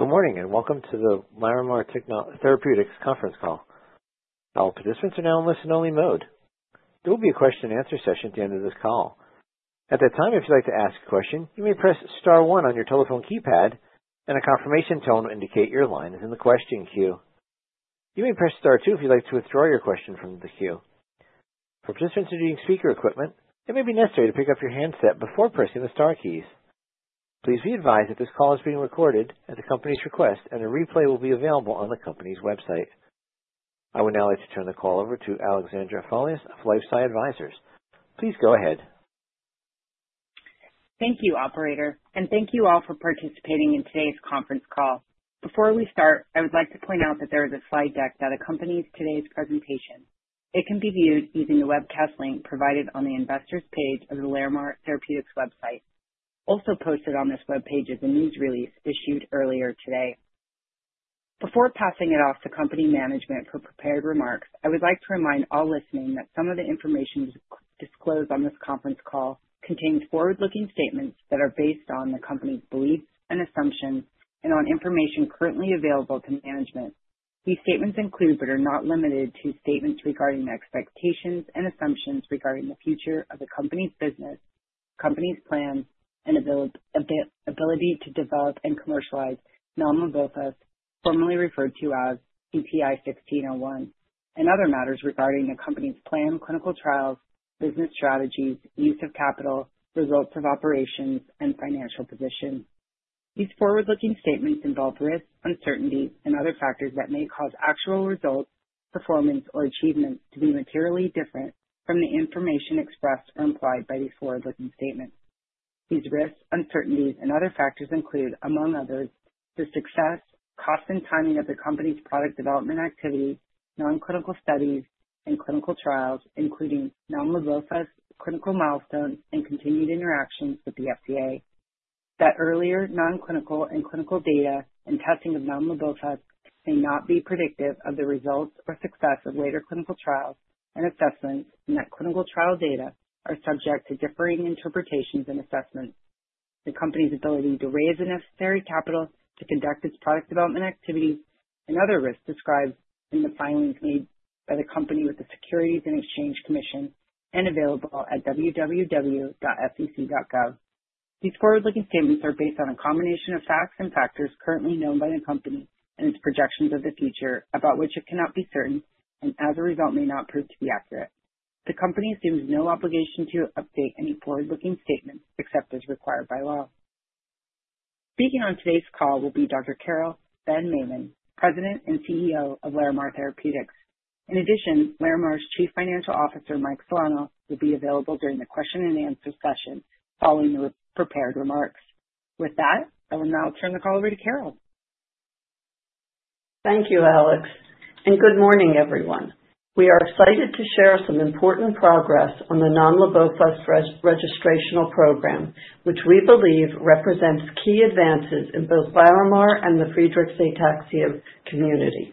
Good morning and welcome to the Larimar Therapeutics conference call. All participants are now in listen-only mode. There will be a question-and-answer session at the end of this call. At that time, if you'd like to ask a question, you may press star one on your telephone keypad, and a confirmation tone will indicate your line is in the question queue. You may press star two if you'd like to withdraw your question from the queue. For participants who are using speaker equipment, it may be necessary to pick up your handset before pressing the star keys. Please be advised that this call is being recorded at the company's request, and a replay will be available on the company's website. I would now like to turn the call over to Alexandra Folias of LifeSci Advisors. Please go ahead. Thank you, Operator, and thank you all for participating in today's conference call. Before we start, I would like to point out that there is a slide deck that accompanies today's presentation. It can be viewed using the webcast link provided on the investors' page of the Larimar Therapeutics website. Also posted on this webpage is a news release issued earlier today. Before passing it off to company management for prepared remarks, I would like to remind all listening that some of the information disclosed on this conference call contains forward-looking statements that are based on the company's beliefs and assumptions and on information currently available to management. These statements include, but are not limited to, statements regarding expectations and assumptions regarding the future of the company's business, company's plan, and ability to develop and commercialize nomlabofusp, formerly referred to as CTI-1601, and other matters regarding the company's plan, clinical trials, business strategies, use of capital, results of operations, and financial position. These forward-looking statements involve risks, uncertainties, and other factors that may cause actual results, performance, or achievements to be materially different from the information expressed or implied by these forward-looking statements. These risks, uncertainties, and other factors include, among others, the success, cost, and timing of the company's product development activities, nonclinical studies, and clinical trials, including nomlabofusp's clinical milestones and continued interactions with the FDA. That earlier nonclinical and clinical data and testing of nomlabofusp may not be predictive of the results or success of later clinical trials and assessments, and that clinical trial data are subject to differing interpretations and assessments. The company's ability to raise the necessary capital to conduct its product development activities and other risks described in the filings made by the company with the Securities and Exchange Commission and available at www.sec.gov. These forward-looking statements are based on a combination of facts and factors currently known by the company and its projections of the future, about which it cannot be certain and, as a result, may not prove to be accurate. The company assumes no obligation to update any forward-looking statements except as required by law. Speaking on today's call will be Dr. Carole Ben-Maimon, President and CEO of Larimar Therapeutics. In addition, Larimar's Chief Financial Officer, Mike Solano, will be available during the question-and-answer session following the prepared remarks. With that, I will now turn the call over to Carol. Thank you, Alex. And good morning, everyone. We are excited to share some important progress on the nomlabofusp's registration program, which we believe represents key advances in both Larimar and the Friedreich’s Ataxia community.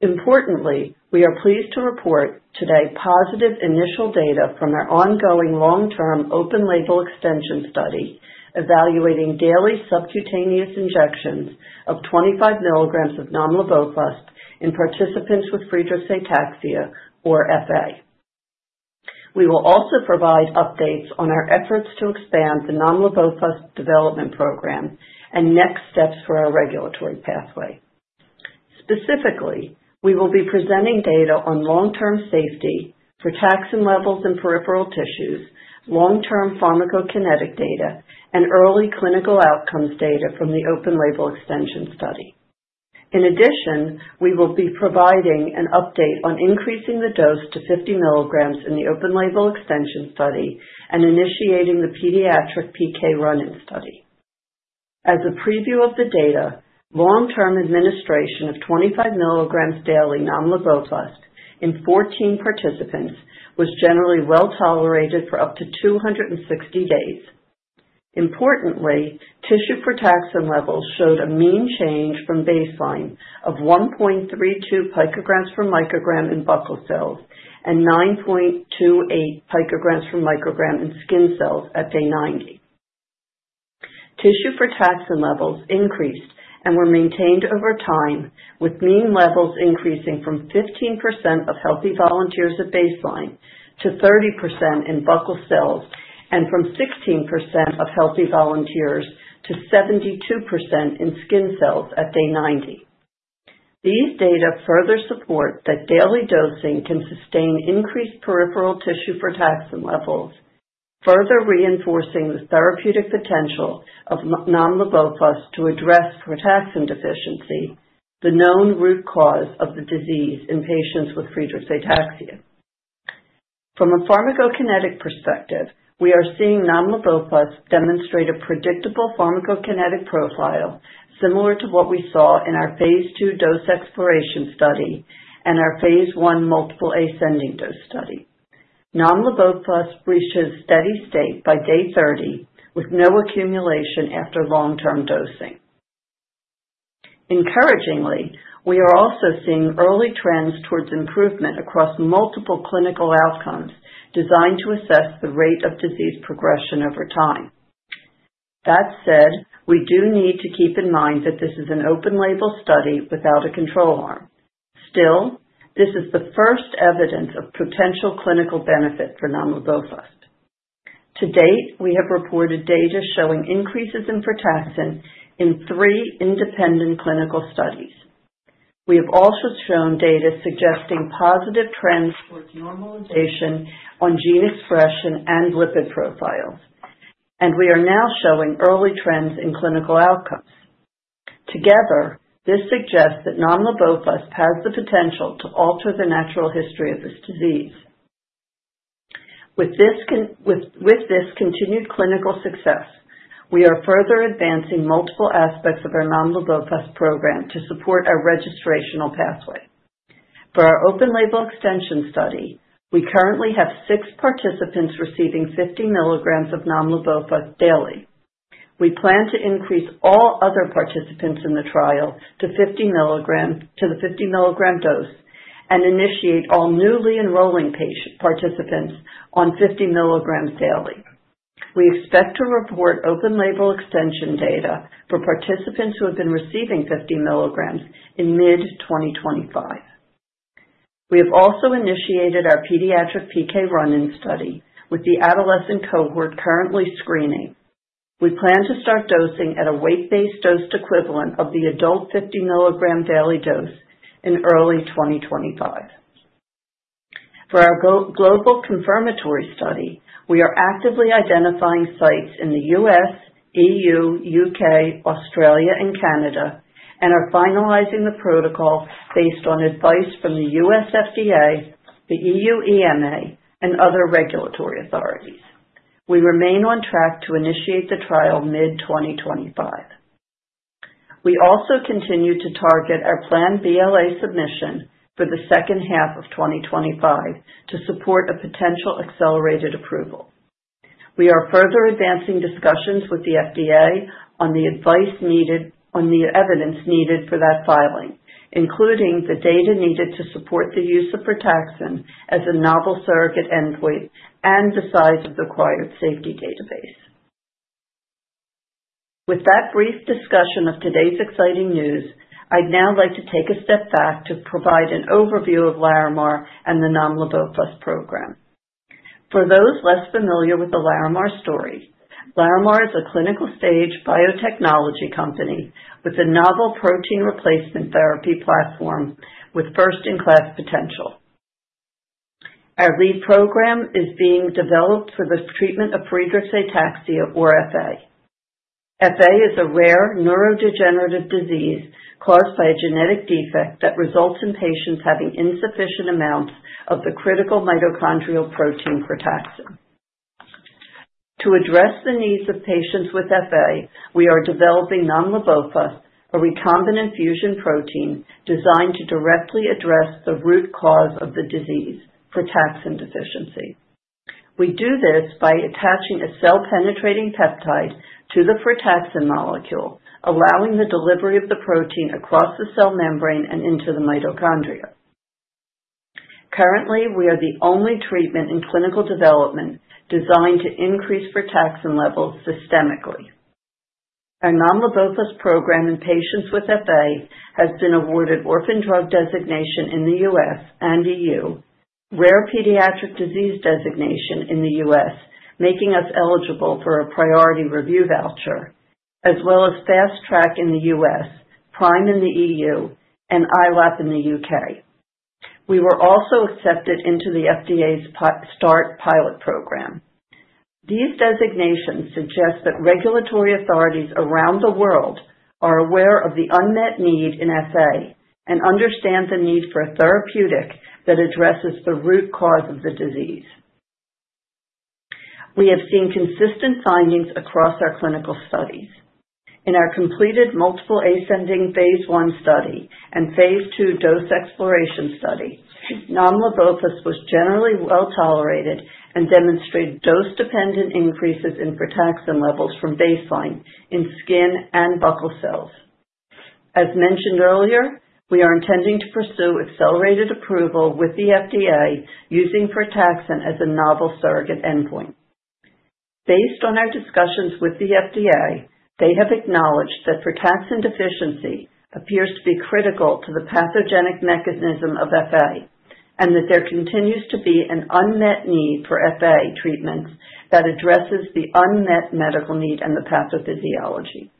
Importantly, we are pleased to report today positive initial data from our ongoing long-term open-label extension study evaluating daily subcutaneous injections of 25 milligrams of nomlabofusp in participants with Friedreich’s Ataxia, or FA. We will also provide updates on our efforts to expand the nomlabofusp development program and next steps for our regulatory pathway. Specifically, we will be presenting data on long-term safety frataxin levels in peripheral tissues, long-term pharmacokinetic data, and early clinical outcomes data from the open-label extension study. In addition, we will be providing an update on increasing the dose to 50 milligrams in the open-label extension study and initiating the pediatric PK run-in study. As a preview of the data, long-term administration of 25 milligrams daily nomlabofusp in 14 participants was generally well tolerated for up to 260 days. Importantly, tissue frataxin levels showed a mean change from baseline of 1.32 pg/μg in buccal cells and 9.28 pg/μg in skin cells at day 90. Tissue frataxin levels increased and were maintained over time, with mean levels increasing from 15% of healthy volunteers at baseline to 30% in buccal cells and from 16% of healthy volunteers to 72% in skin cells at day 90. These data further support that daily dosing can sustain increased peripheral tissue frataxin levels, further reinforcing the therapeutic potential of nomlabofusp to address frataxin deficiency, the known root cause of the disease in patients with Friedreich's ataxia. From a pharmacokinetic perspective, we are seeing nomlabofusp demonstrate a predictable pharmacokinetic profile similar to what we saw in our phase two dose exploration study and our phase one multiple ascending dose study. Nomlabofusp reached a steady state by day 30, with no accumulation after long-term dosing. Encouragingly, we are also seeing early trends towards improvement across multiple clinical outcomes designed to assess the rate of disease progression over time. That said, we do need to keep in mind that this is an open-label study without a control arm. Still, this is the first evidence of potential clinical benefit for nomlabofusp. To date, we have reported data showing increases in frataxin in three independent clinical studies. We have also shown data suggesting positive trends towards normalization on gene expression and lipid profiles, and we are now showing early trends in clinical outcomes. Together, this suggests that nomlabofusp has the potential to alter the natural history of this disease. With this continued clinical success, we are further advancing multiple aspects of our nomlabofusp program to support our registration pathway. For our open-label extension study, we currently have six participants receiving 50 milligrams of nomlabofusp daily. We plan to increase all other participants in the trial to the 50 milligram dose and initiate all newly enrolling participants on 50 milligrams daily. We expect to report open-label extension data for participants who have been receiving 50 milligrams in mid-2025. We have also initiated our pediatric PK run-in study with the adolescent cohort currently screening. We plan to start dosing at a weight-based dose equivalent of the adult 50 milligram daily dose in early 2025. For our global confirmatory study, we are actively identifying sites in the U.S., E.U., U.K., Australia, and Canada, and are finalizing the protocol based on advice from the U.S. FDA, the E.U. EMA, and other regulatory authorities. We remain on track to initiate the trial mid-2025. We also continue to target our planned BLA submission for the second half of 2025 to support a potential accelerated approval. We are further advancing discussions with the FDA on the evidence needed for that filing, including the data needed to support the use of frataxin as a novel surrogate endpoint and the size of the required safety database. With that brief discussion of today's exciting news, I'd now like to take a step back to provide an overview of Larimar and the nomlabofusp program. For those less familiar with the Larimar story, Larimar is a clinical-stage biotechnology company with a novel protein replacement therapy platform with first-in-class potential. Our lead program is being developed for the treatment of Friedreich's ataxia, or FA. FA is a rare neurodegenerative disease caused by a genetic defect that results in patients having insufficient amounts of the critical mitochondrial protein frataxin. To address the needs of patients with FA, we are developing nomlabofusp, a recombinant fusion protein designed to directly address the root cause of the disease, frataxin deficiency. We do this by attaching a cell-penetrating peptide to the frataxin molecule, allowing the delivery of the protein across the cell membrane and into the mitochondria. Currently, we are the only treatment in clinical development designed to increase frataxin levels systemically. Our nomlabofusp program in patients with FA has been awarded Orphan Drug designation in the U.S. and EU, Rare Pediatric Disease designation in the U.S., making us eligible for a priority review voucher, as well as Fast Track in the U.S., PRIME in the EU, and ILAP in the U.K. We were also accepted into the FDA's START pilot program. These designations suggest that regulatory authorities around the world are aware of the unmet need in FA and understand the need for a therapeutic that addresses the root cause of the disease. We have seen consistent findings across our clinical studies. In our completed multiple ascending phase one study and phase two dose exploration study, nomlabofusp was generally well tolerated and demonstrated dose-dependent increases in frataxin levels from baseline in skin and buccal cells. As mentioned earlier, we are intending to pursue accelerated approval with the FDA using frataxin as a novel surrogate endpoint. Based on our discussions with the FDA, they have acknowledged that frataxin deficiency appears to be critical to the pathogenic mechanism of FA and that there continues to be an unmet need for FA treatments that addresses the unmet medical need and the pathophysiology.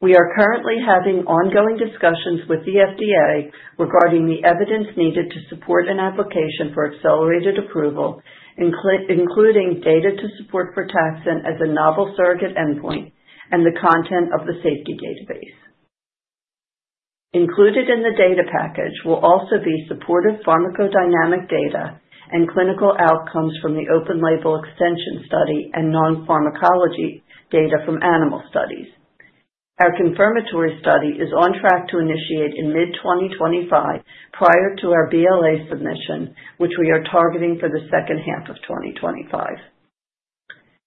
We are currently having ongoing discussions with the FDA regarding the evidence needed to support an application for accelerated approval, including data to support frataxin as a novel surrogate endpoint and the content of the safety database. Included in the data package will also be supportive pharmacodynamic data and clinical outcomes from the open-label extension study and nonclinical data from animal studies. Our confirmatory study is on track to initiate in mid-2025 prior to our BLA submission, which we are targeting for the second half of 2025.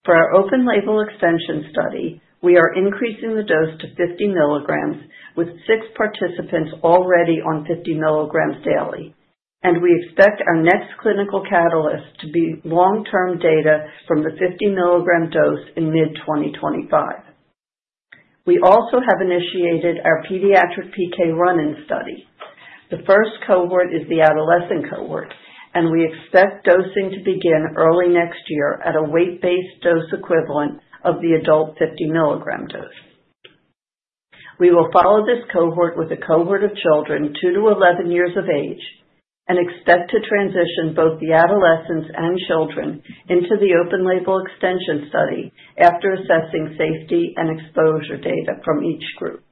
For our open-label extension study, we are increasing the dose to 50 milligrams with six participants already on 50 milligrams daily, and we expect our next clinical catalyst to be long-term data from the 50 milligram dose in mid-2025. We also have initiated our pediatric PK run-in study. The first cohort is the adolescent cohort, and we expect dosing to begin early next year at a weight-based dose equivalent of the adult 50 milligram dose. We will follow this cohort with a cohort of children 2 to 11 years of age and expect to transition both the adolescents and children into the open-label extension study after assessing safety and exposure data from each group.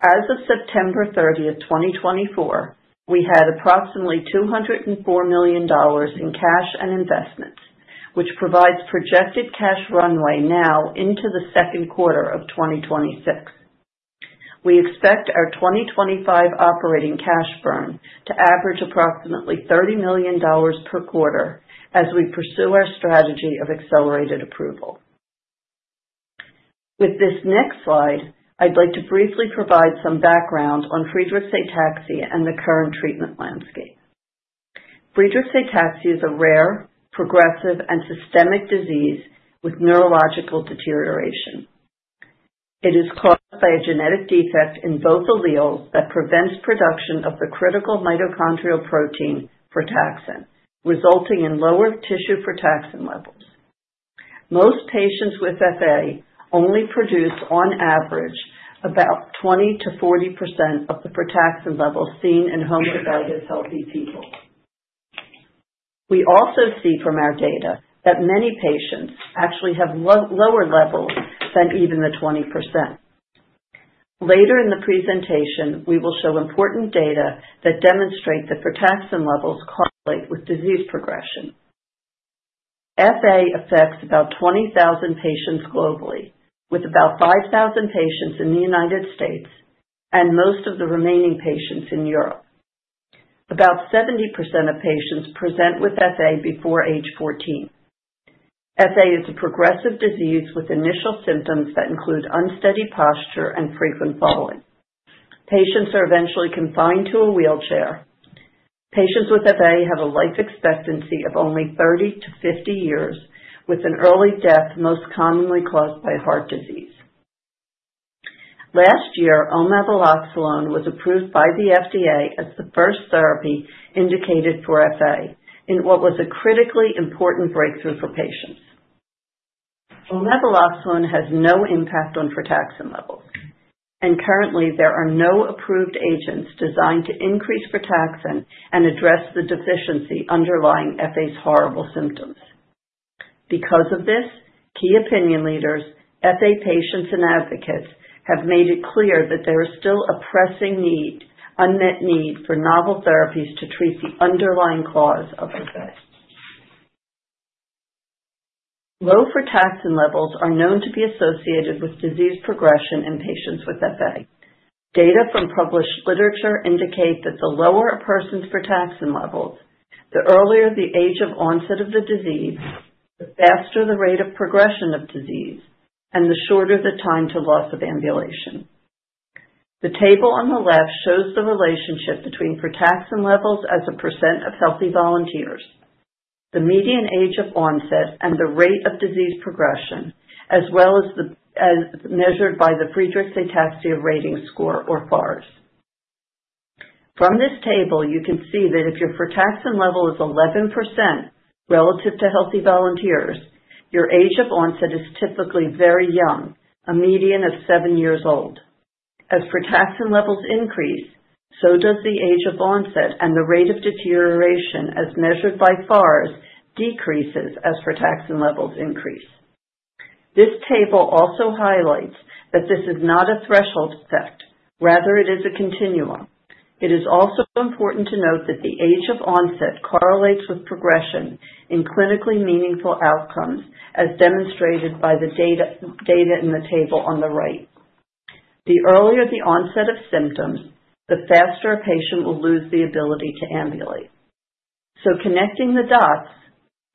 As of September 30, 2024, we had approximately $204 million in cash and investments, which provides projected cash runway now into the second quarter of 2026. We expect our 2025 operating cash burn to average approximately $30 million per quarter as we pursue our strategy of accelerated approval. With this next slide, I'd like to briefly provide some background on Friedreich's ataxia and the current treatment landscape. Friedreich's ataxia is a rare, progressive, and systemic disease with neurological deterioration. It is caused by a genetic defect in both alleles that prevents production of the critical mitochondrial protein frataxin, resulting in lower tissue frataxin levels. Most patients with FA only produce, on average, about 20%-40% of the frataxin levels seen in homozygous healthy people. We also see from our data that many patients actually have lower levels than even the 20%. Later in the presentation, we will show important data that demonstrate that frataxin levels correlate with disease progression. FA affects about 20,000 patients globally, with about 5,000 patients in the United States and most of the remaining patients in Europe. About 70% of patients present with FA before age 14. FA is a progressive disease with initial symptoms that include unsteady posture and frequent falling. Patients are eventually confined to a wheelchair. Patients with FA have a life expectancy of only 30 to 50 years, with an early death most commonly caused by heart disease. Last year, omaveloxolone was approved by the FDA as the first therapy indicated for FA in what was a critically important breakthrough for patients. Omaveloxolone has no impact on frataxin levels, and currently, there are no approved agents designed to increase frataxin and address the deficiency underlying FA's horrible symptoms. Because of this, key opinion leaders, FA patients, and advocates have made it clear that there is still a pressing need, unmet need for novel therapies to treat the underlying cause of FA. Low frataxin levels are known to be associated with disease progression in patients with FA. Data from published literature indicate that the lower a person's frataxin levels, the earlier the age of onset of the disease, the faster the rate of progression of disease, and the shorter the time to loss of ambulation. The table on the left shows the relationship between frataxin levels as a % of healthy volunteers, the median age of onset, and the rate of disease progression, as well as measured by the Friedreich's Ataxia Rating Scale, or FARS. From this table, you can see that if your frataxin level is 11% relative to healthy volunteers, your age of onset is typically very young, a median of seven years old. As frataxin levels increase, so does the age of onset and the rate of deterioration as measured by FARS decreases as frataxin levels increase. This table also highlights that this is not a threshold effect. Rather, it is a continuum. It is also important to note that the age of onset correlates with progression in clinically meaningful outcomes, as demonstrated by the data in the table on the right. The earlier the onset of symptoms, the faster a patient will lose the ability to ambulate. So, connecting the dots,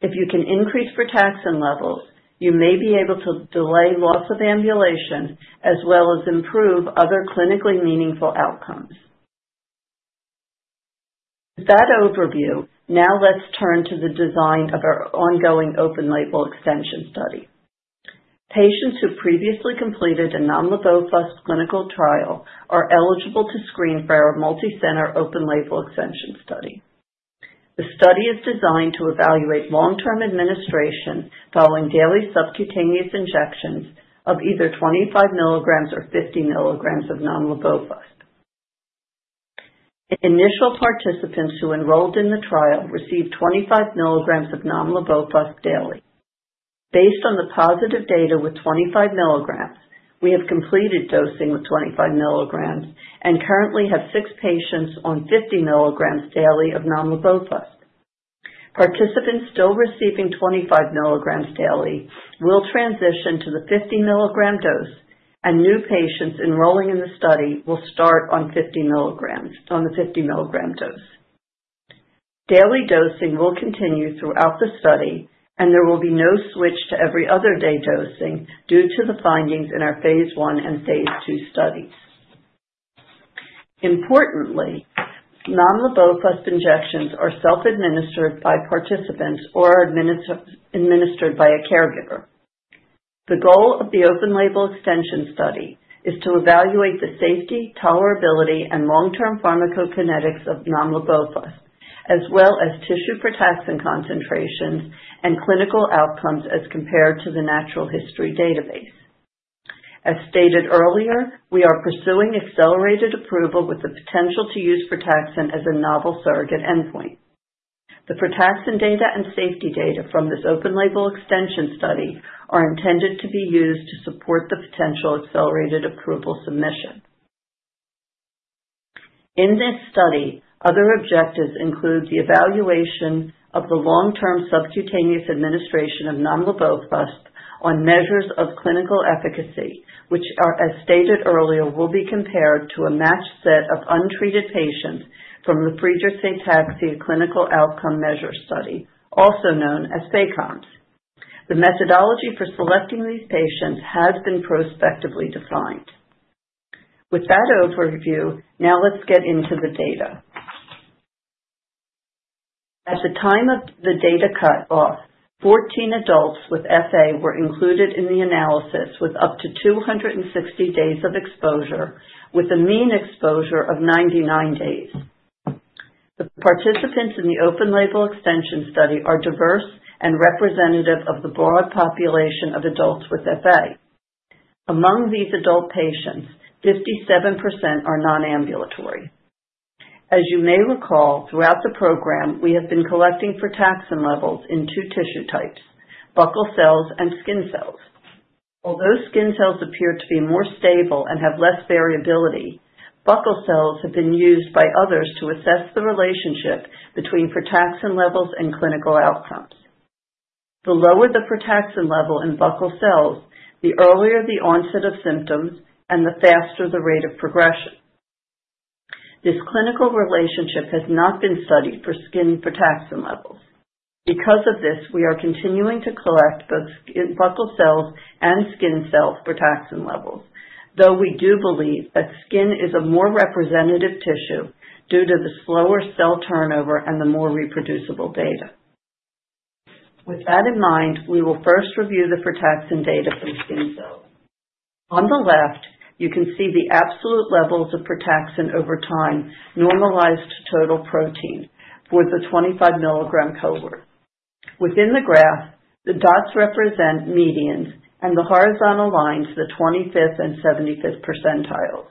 if you can increase frataxin levels, you may be able to delay loss of ambulation as well as improve other clinically meaningful outcomes. With that overview, now let's turn to the design of our ongoing open-label extension study. Patients who previously completed a nomlabofusp clinical trial are eligible to screen for our multicenter open-label extension study. The study is designed to evaluate long-term administration following daily subcutaneous injections of either 25 milligrams or 50 milligrams of nomlabofusp. Initial participants who enrolled in the trial received 25 milligrams of nomlabofusp daily. Based on the positive data with 25 milligrams, we have completed dosing with 25 milligrams and currently have six patients on 50 milligrams daily of nomlabofusp. Participants still receiving 25 milligrams daily will transition to the 50 milligram dose, and new patients enrolling in the study will start on the 50 milligram dose. Daily dosing will continue throughout the study, and there will be no switch to every other day dosing due to the findings in our phase one and phase two studies. Importantly, nomlabofusp injections are self-administered by participants or are administered by a caregiver. The goal of the open-label extension study is to evaluate the safety, tolerability, and long-term pharmacokinetics of nomlabofusp, as well as tissue frataxin concentrations and clinical outcomes as compared to the natural history database. As stated earlier, we are pursuing accelerated approval with the potential to use frataxin as a novel surrogate endpoint. The frataxin data and safety data from this open-label extension study are intended to be used to support the potential accelerated approval submission. In this study, other objectives include the evaluation of the long-term subcutaneous administration of nomlabofusp on measures of clinical efficacy, which, as stated earlier, will be compared to a matched set of untreated patients from the Friedreich's Ataxia Clinical Outcomes Measure Study, also known as FACOMS. The methodology for selecting these patients has been prospectively defined. With that overview, now let's get into the data. At the time of the data cut-off, 14 adults with FA were included in the analysis with up to 260 days of exposure, with a mean exposure of 99 days. The participants in the open-label extension study are diverse and representative of the broad population of adults with FA. Among these adult patients, 57% are non-ambulatory. As you may recall, throughout the program, we have been collecting frataxin levels in two tissue types: buccal cells and skin cells. Although skin cells appear to be more stable and have less variability, buccal cells have been used by others to assess the relationship between frataxin levels and clinical outcomes. The lower the frataxin level in buccal cells, the earlier the onset of symptoms and the faster the rate of progression. This clinical relationship has not been studied for skin frataxin levels. Because of this, we are continuing to collect both buccal cells and skin cells frataxin levels, though we do believe that skin is a more representative tissue due to the slower cell turnover and the more reproducible data. With that in mind, we will first review the frataxin data from skin cells. On the left, you can see the absolute levels of frataxin over time normalized to total protein for the 25 milligram cohort. Within the graph, the dots represent medians, and the horizontal lines, the 25th and 75th percentiles.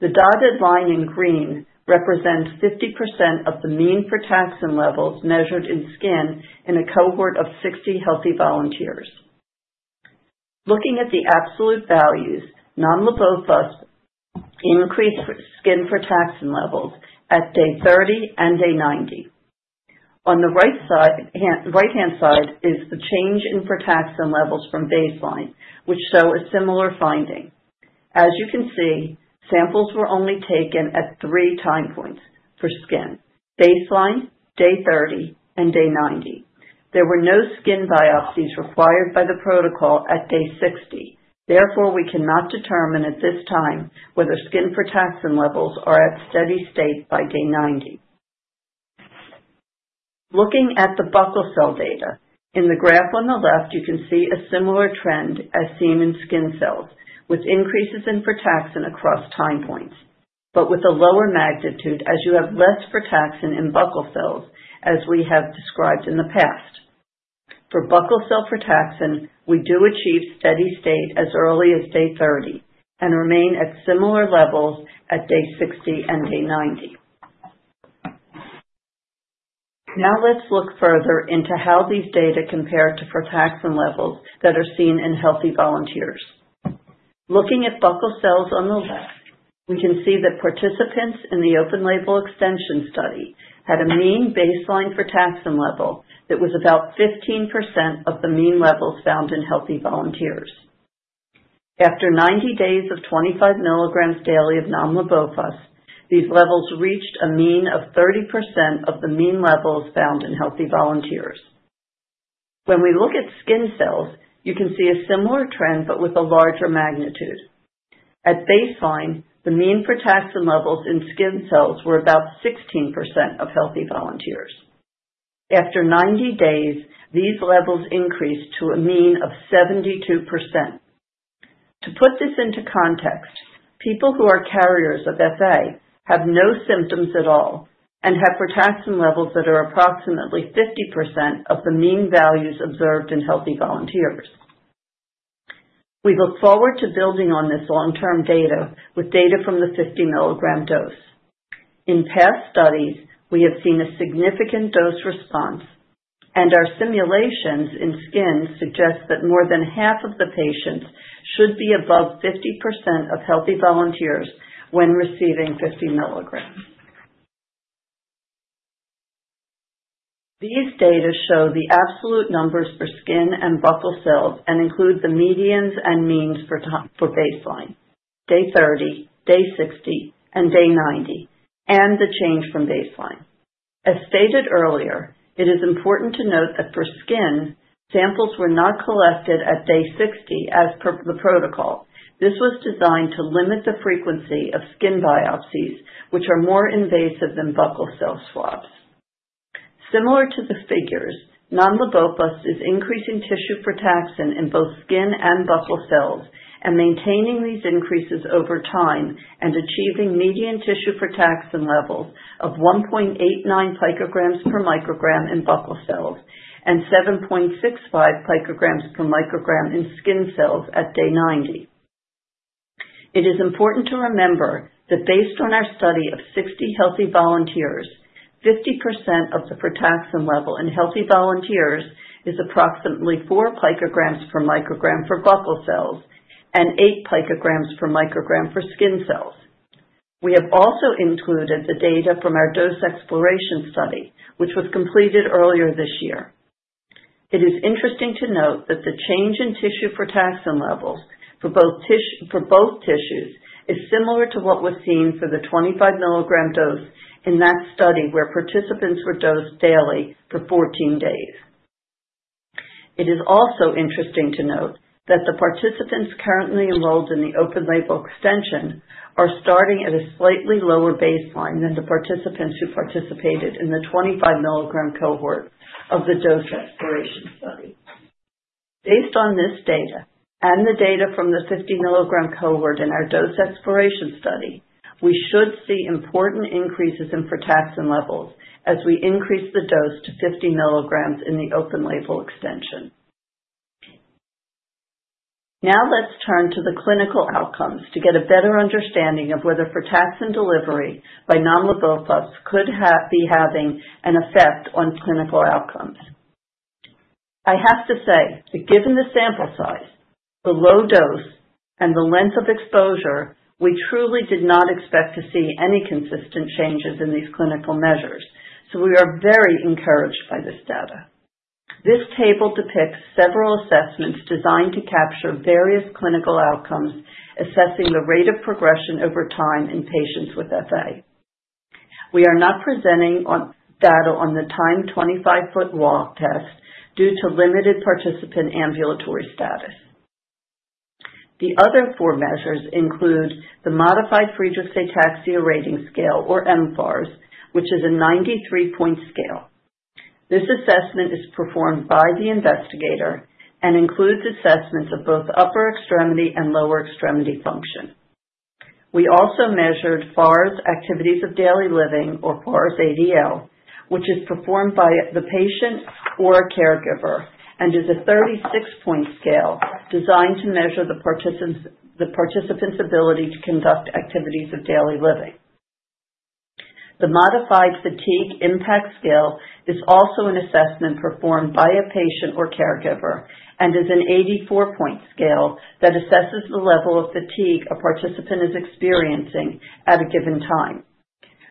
The dotted line in green represents 50% of the mean frataxin levels measured in skin in a cohort of 60 healthy volunteers. Looking at the absolute values, nomlabofusp increased skin frataxin levels at day 30 and day 90. On the right-hand side is the change in frataxin levels from baseline, which shows a similar finding. As you can see, samples were only taken at three time points for skin: baseline, day 30, and day 90. There were no skin biopsies required by the protocol at day 60. Therefore, we cannot determine at this time whether skin frataxin levels are at steady state by day 90. Looking at the buccal cell data, in the graph on the left, you can see a similar trend as seen in skin cells with increases in frataxin across time points, but with a lower magnitude as you have less frataxin in buccal cells, as we have described in the past. For buccal cell frataxin, we do achieve steady state as early as day 30 and remain at similar levels at day 60 and day 90. Now let's look further into how these data compare to frataxin levels that are seen in healthy volunteers. Looking at buccal cells on the left, we can see that participants in the open-label extension study had a mean baseline frataxin level that was about 15% of the mean levels found in healthy volunteers. After 90 days of 25 milligrams daily of nomlabofusp, these levels reached a mean of 30% of the mean levels found in healthy volunteers. When we look at skin cells, you can see a similar trend but with a larger magnitude. At baseline, the mean frataxin levels in skin cells were about 16% of healthy volunteers. After 90 days, these levels increased to a mean of 72%. To put this into context, people who are carriers of FA have no symptoms at all and have frataxin levels that are approximately 50% of the mean values observed in healthy volunteers. We look forward to building on this long-term data with data from the 50 milligram dose. In past studies, we have seen a significant dose response, and our simulations in skin suggest that more than half of the patients should be above 50% of healthy volunteers when receiving 50 milligrams. These data show the absolute numbers for skin and buccal cells and include the medians and means for baseline, day 30, day 60, and day 90, and the change from baseline. As stated earlier, it is important to note that for skin, samples were not collected at day 60 as per the protocol. This was designed to limit the frequency of skin biopsies, which are more invasive than buccal cell swabs. Similar to the figures, nomlabofusp is increasing tissue frataxin in both skin and buccal cells and maintaining these increases over time and achieving median tissue frataxin levels of 1.89 pg/μg in buccal cells and 7.65 pg/μg in skin cells at day 90. It is important to remember that based on our study of 60 healthy volunteers, 50% of the frataxin level in healthy volunteers is approximately 4 pg/μg for buccal cells and 8 pg/μg for skin cells. We have also included the data from our dose exploration study, which was completed earlier this year. It is interesting to note that the change in tissue frataxin levels for both tissues is similar to what was seen for the 25 milligram dose in that study where participants were dosed daily for 14 days. It is also interesting to note that the participants currently enrolled in the open-label extension are starting at a slightly lower baseline than the participants who participated in the 25 milligram cohort of the dose exploration study. Based on this data and the data from the 50 milligram cohort in our dose exploration study, we should see important increases in frataxin levels as we increase the dose to 50 milligrams in the open-label extension. Now let's turn to the clinical outcomes to get a better understanding of whether frataxin delivery by nomlabofusp could be having an effect on clinical outcomes. I have to say that given the sample size, the low dose, and the length of exposure, we truly did not expect to see any consistent changes in these clinical measures, so we are very encouraged by this data. This table depicts several assessments designed to capture various clinical outcomes assessing the rate of progression over time in patients with FA. We are not presenting data on the timed 25-foot walk test due to limited participant ambulatory status. The other four measures include the Modified Friedreich's Ataxia Rating Scale, or MFARS, which is a 93-point scale. This assessment is performed by the investigator and includes assessments of both upper extremity and lower extremity function. We also measured FARS, Activities of Daily Living, or FARS ADL, which is performed by the patient or a caregiver and is a 36-point scale designed to measure the participant's ability to conduct activities of daily living. The Modified Fatigue Impact Scale is also an assessment performed by a patient or caregiver and is an 84-point scale that assesses the level of fatigue a participant is experiencing at a given time.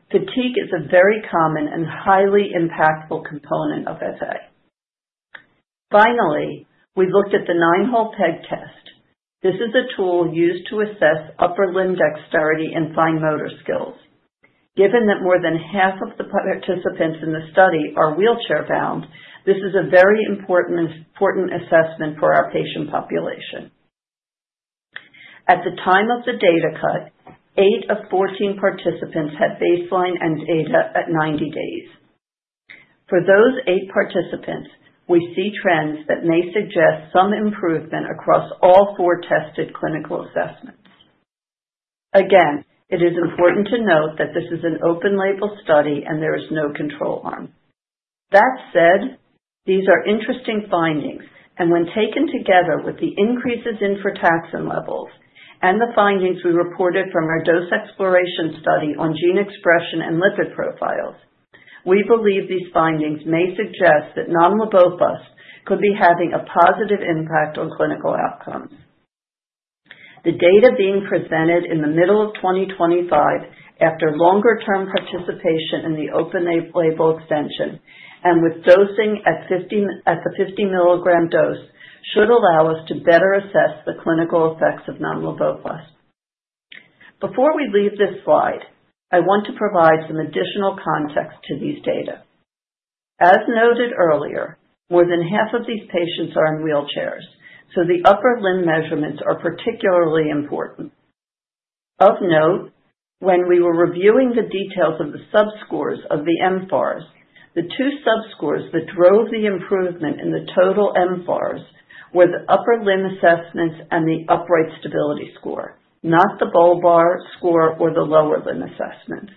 Fatigue is a very common and highly impactful component of FA. Finally, we looked at the Nine-Hole Peg Test. This is a tool used to assess upper limb dexterity and fine motor skills. Given that more than half of the participants in the study are wheelchair-bound, this is a very important assessment for our patient population. At the time of the data cut, eight of 14 participants had baseline and data at 90 days. For those eight participants, we see trends that may suggest some improvement across all four tested clinical assessments. Again, it is important to note that this is an open-label study and there is no control arm. That said, these are interesting findings, and when taken together with the increases in frataxin levels and the findings we reported from our dose exploration study on gene expression and lipid profiles, we believe these findings may suggest that nomlabofusp could be having a positive impact on clinical outcomes. The data being presented in the middle of 2025 after longer-term participation in the open-label extension and with dosing at the 50 milligram dose should allow us to better assess the clinical effects of nomlabofusp. Before we leave this slide, I want to provide some additional context to these data. As noted earlier, more than half of these patients are in wheelchairs, so the upper limb measurements are particularly important. Of note, when we were reviewing the details of the sub-scores of the MFARS, the two sub-scores that drove the improvement in the total MFARS were the upper limb assessments and the upright stability score, not the bulbar score or the lower limb assessment.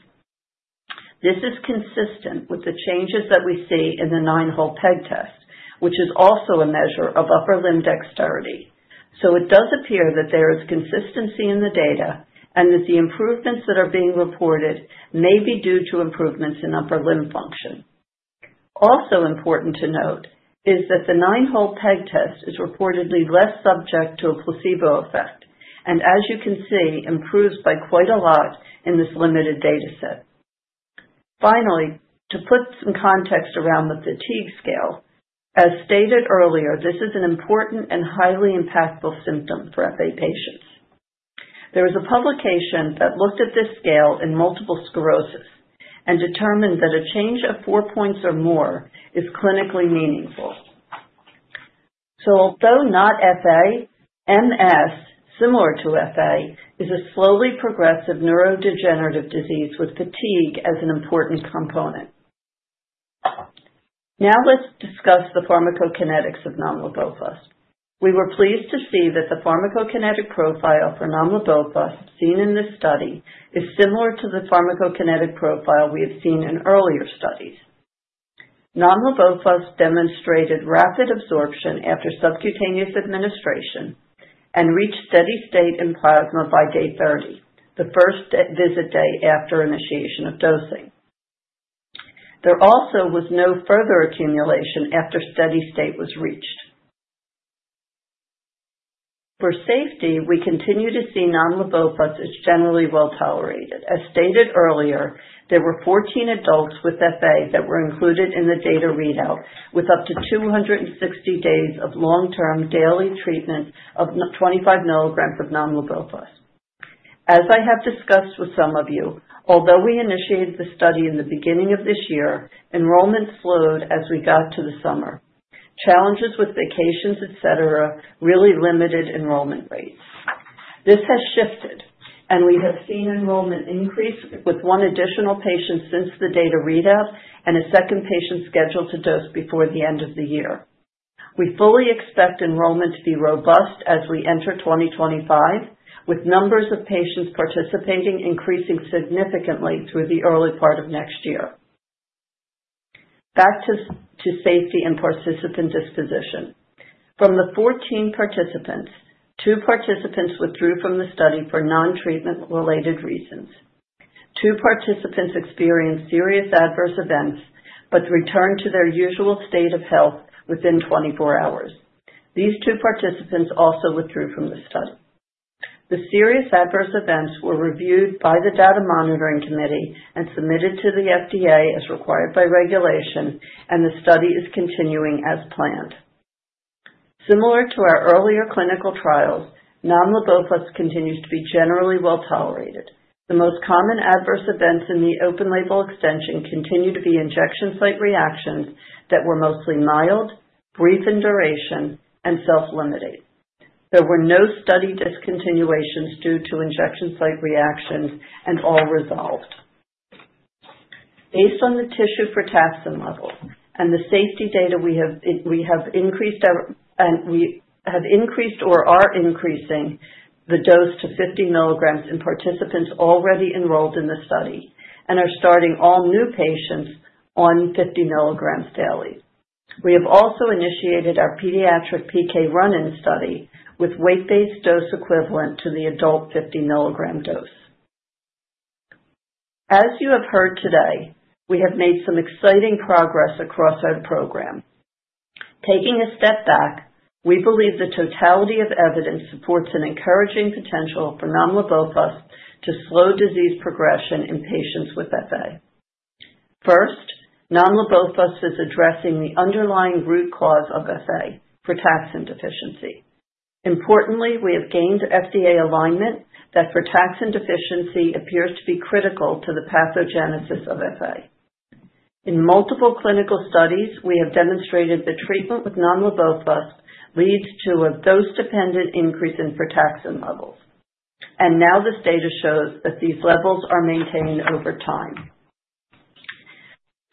This is consistent with the changes that we see in the Nine-Hole Peg Test, which is also a measure of upper limb dexterity. So it does appear that there is consistency in the data and that the improvements that are being reported may be due to improvements in upper limb function. Also important to note is that the Nine-Hole Peg Test is reportedly less subject to a placebo effect and, as you can see, improves by quite a lot in this limited data set. Finally, to put some context around the fatigue scale, as stated earlier, this is an important and highly impactful symptom for FA patients. There was a publication that looked at this scale in multiple sclerosis and determined that a change of four points or more is clinically meaningful. So although not FA, MS, similar to FA, is a slowly progressive neurodegenerative disease with fatigue as an important component. Now let's discuss the pharmacokinetics of nomlabofusp. We were pleased to see that the pharmacokinetic profile for nomlabofusp seen in this study is similar to the pharmacokinetic profile we have seen in earlier studies. Nomlabofusp demonstrated rapid absorption after subcutaneous administration and reached steady state in plasma by day 30, the first visit day after initiation of dosing. There also was no further accumulation after steady state was reached. For safety, we continue to see nomlabofusp is generally well tolerated. As stated earlier, there were 14 adults with FA that were included in the data readout with up to 260 days of long-term daily treatment of 25 milligrams of nomlabofusp. As I have discussed with some of you, although we initiated the study in the beginning of this year, enrollment slowed as we got to the summer. Challenges with vacations, etc., really limited enrollment rates. This has shifted, and we have seen enrollment increase with one additional patient since the data readout and a second patient scheduled to dose before the end of the year. We fully expect enrollment to be robust as we enter 2025, with numbers of patients participating increasing significantly through the early part of next year. Back to safety and participant disposition. From the 14 participants, two participants withdrew from the study for non-treatment-related reasons. Two participants experienced serious adverse events but returned to their usual state of health within 24 hours. These two participants also withdrew from the study. The serious adverse events were reviewed by the Data Monitoring Committee and submitted to the FDA as required by regulation, and the study is continuing as planned. Similar to our earlier clinical trials, nomlabofusp continues to be generally well tolerated. The most common adverse events in the open-label extension continue to be injection site reactions that were mostly mild, brief in duration, and self-limiting. There were no study discontinuations due to injection site reactions and all resolved. Based on the tissue frataxin levels and the safety data, we have increased or are increasing the dose to 50 milligrams in participants already enrolled in the study and are starting all new patients on 50 milligrams daily. We have also initiated our pediatric PK run-in study with weight-based dose equivalent to the adult 50 milligram dose. As you have heard today, we have made some exciting progress across our program. Taking a step back, we believe the totality of evidence supports an encouraging potential for nomlabofusp to slow disease progression in patients with FA. First, nomlabofusp is addressing the underlying root cause of FA, frataxin deficiency. Importantly, we have gained FDA alignment that frataxin deficiency appears to be critical to the pathogenesis of FA. In multiple clinical studies, we have demonstrated that treatment with nomlabofusp leads to a dose-dependent increase in frataxin levels, and now this data shows that these levels are maintained over time.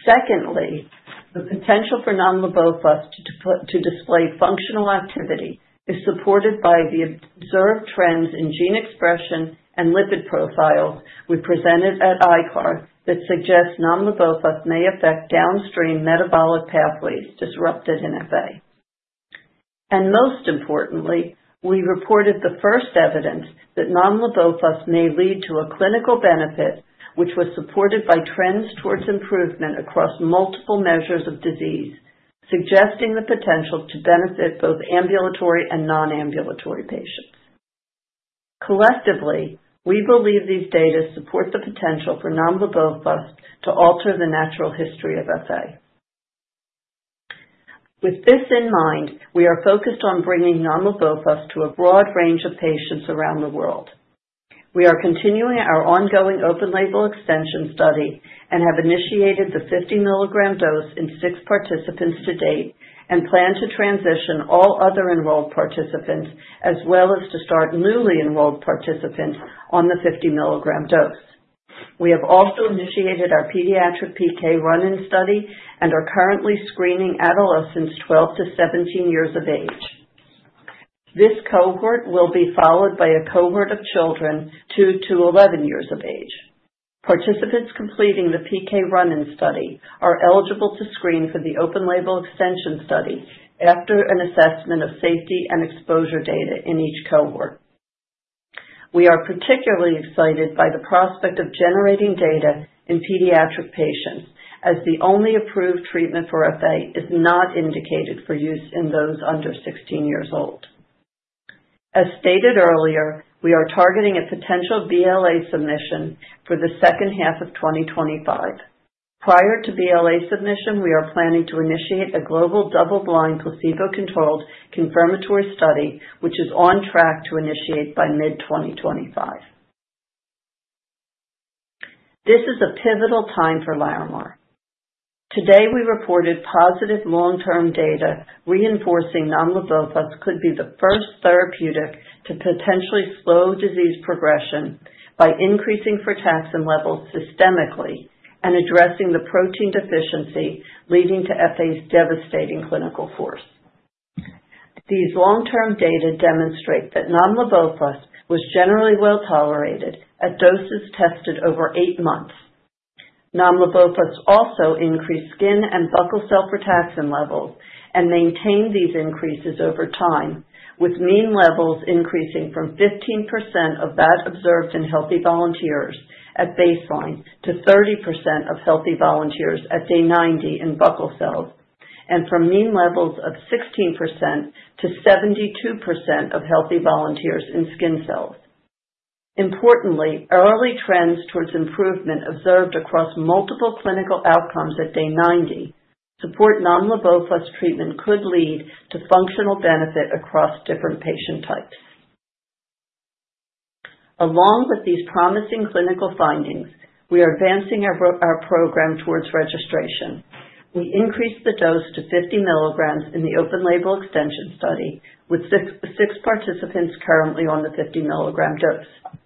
Secondly, the potential for nomlabofusp to display functional activity is supported by the observed trends in gene expression and lipid profiles we presented at ICAR that suggest nomlabofusp may affect downstream metabolic pathways disrupted in FA. And most importantly, we reported the first evidence that nomlabofusp may lead to a clinical benefit, which was supported by trends towards improvement across multiple measures of disease, suggesting the potential to benefit both ambulatory and non-ambulatory patients. Collectively, we believe these data support the potential for nomlabofusp to alter the natural history of FA. With this in mind, we are focused on bringing nomlabofusp to a broad range of patients around the world. We are continuing our ongoing open-label extension study and have initiated the 50 milligram dose in six participants to date and plan to transition all other enrolled participants, as well as to start newly enrolled participants on the 50 milligram dose. We have also initiated our pediatric PK run-in study and are currently screening adolescents 12 to 17 years of age. This cohort will be followed by a cohort of children two to 11 years of age. Participants completing the PK run-in study are eligible to screen for the open-label extension study after an assessment of safety and exposure data in each cohort. We are particularly excited by the prospect of generating data in pediatric patients as the only approved treatment for FA is not indicated for use in those under 16 years old. As stated earlier, we are targeting a potential BLA submission for the second half of 2025. Prior to BLA submission, we are planning to initiate a global double-blind placebo-controlled confirmatory study, which is on track to initiate by mid-2025. This is a pivotal time for Larimar. Today, we reported positive long-term data reinforcing nomlabofusp could be the first therapeutic to potentially slow disease progression by increasing frataxin levels systemically and addressing the protein deficiency leading to FA's devastating clinical course. These long-term data demonstrate that nomlabofusp was generally well tolerated at doses tested over eight months. nomlabofusp also increased skin and buccal cell frataxin levels and maintained these increases over time, with mean levels increasing from 15% of that observed in healthy volunteers at baseline to 30% of healthy volunteers at day 90 in buccal cells and from mean levels of 16% to 72% of healthy volunteers in skin cells. Importantly, early trends towards improvement observed across multiple clinical outcomes at day 90 support nomlabofusp treatment could lead to functional benefit across different patient types. Along with these promising clinical findings, we are advancing our program towards registration. We increased the dose to 50 milligrams in the open-label extension study with six participants currently on the 50 milligram dose.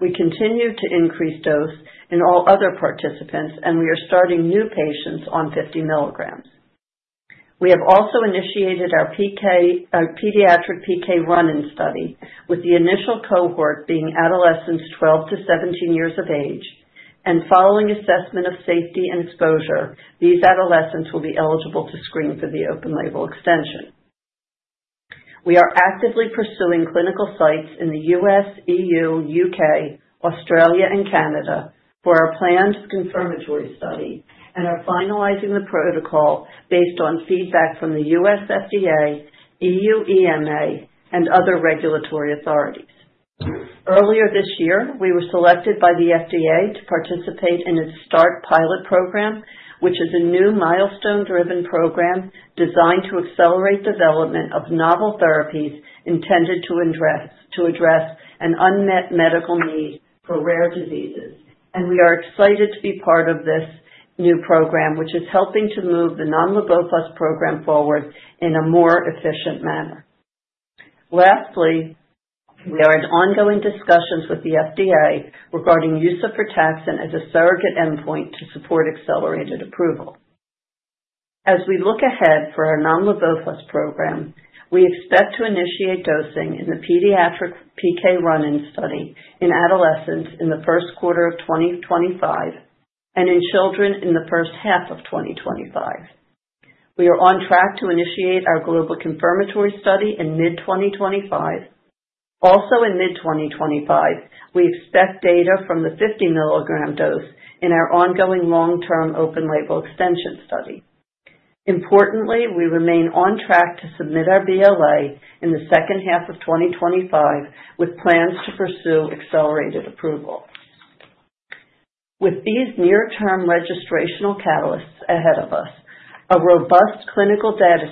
We continue to increase dose in all other participants, and we are starting new patients on 50 milligrams. We have also initiated our pediatric PK run-in study with the initial cohort being adolescents 12 to 17 years of age, and following assessment of safety and exposure, these adolescents will be eligible to screen for the open-label extension. We are actively pursuing clinical sites in the U.S., E.U., U.K., Australia, and Canada for our planned confirmatory study and are finalizing the protocol based on feedback from the U.S. FDA, E.U. EMA, and other regulatory authorities. Earlier this year, we were selected by the FDA to participate in its START pilot program, which is a new milestone-driven program designed to accelerate the development of novel therapies intended to address an unmet medical need for rare diseases, and we are excited to be part of this new program, which is helping to move the nomlabofusp program forward in a more efficient manner. Lastly, we are in ongoing discussions with the FDA regarding use of frataxin as a surrogate endpoint to support accelerated approval. As we look ahead for our nomlabofusp program, we expect to initiate dosing in the pediatric PK run-in study in adolescents in the first quarter of 2025 and in children in the first half of 2025. We are on track to initiate our global confirmatory study in mid-2025. Also in mid-2025, we expect data from the 50 milligram dose in our ongoing long-term open-label extension study. Importantly, we remain on track to submit our BLA in the second half of 2025 with plans to pursue accelerated approval. With these near-term registrational catalysts ahead of us, a robust clinical data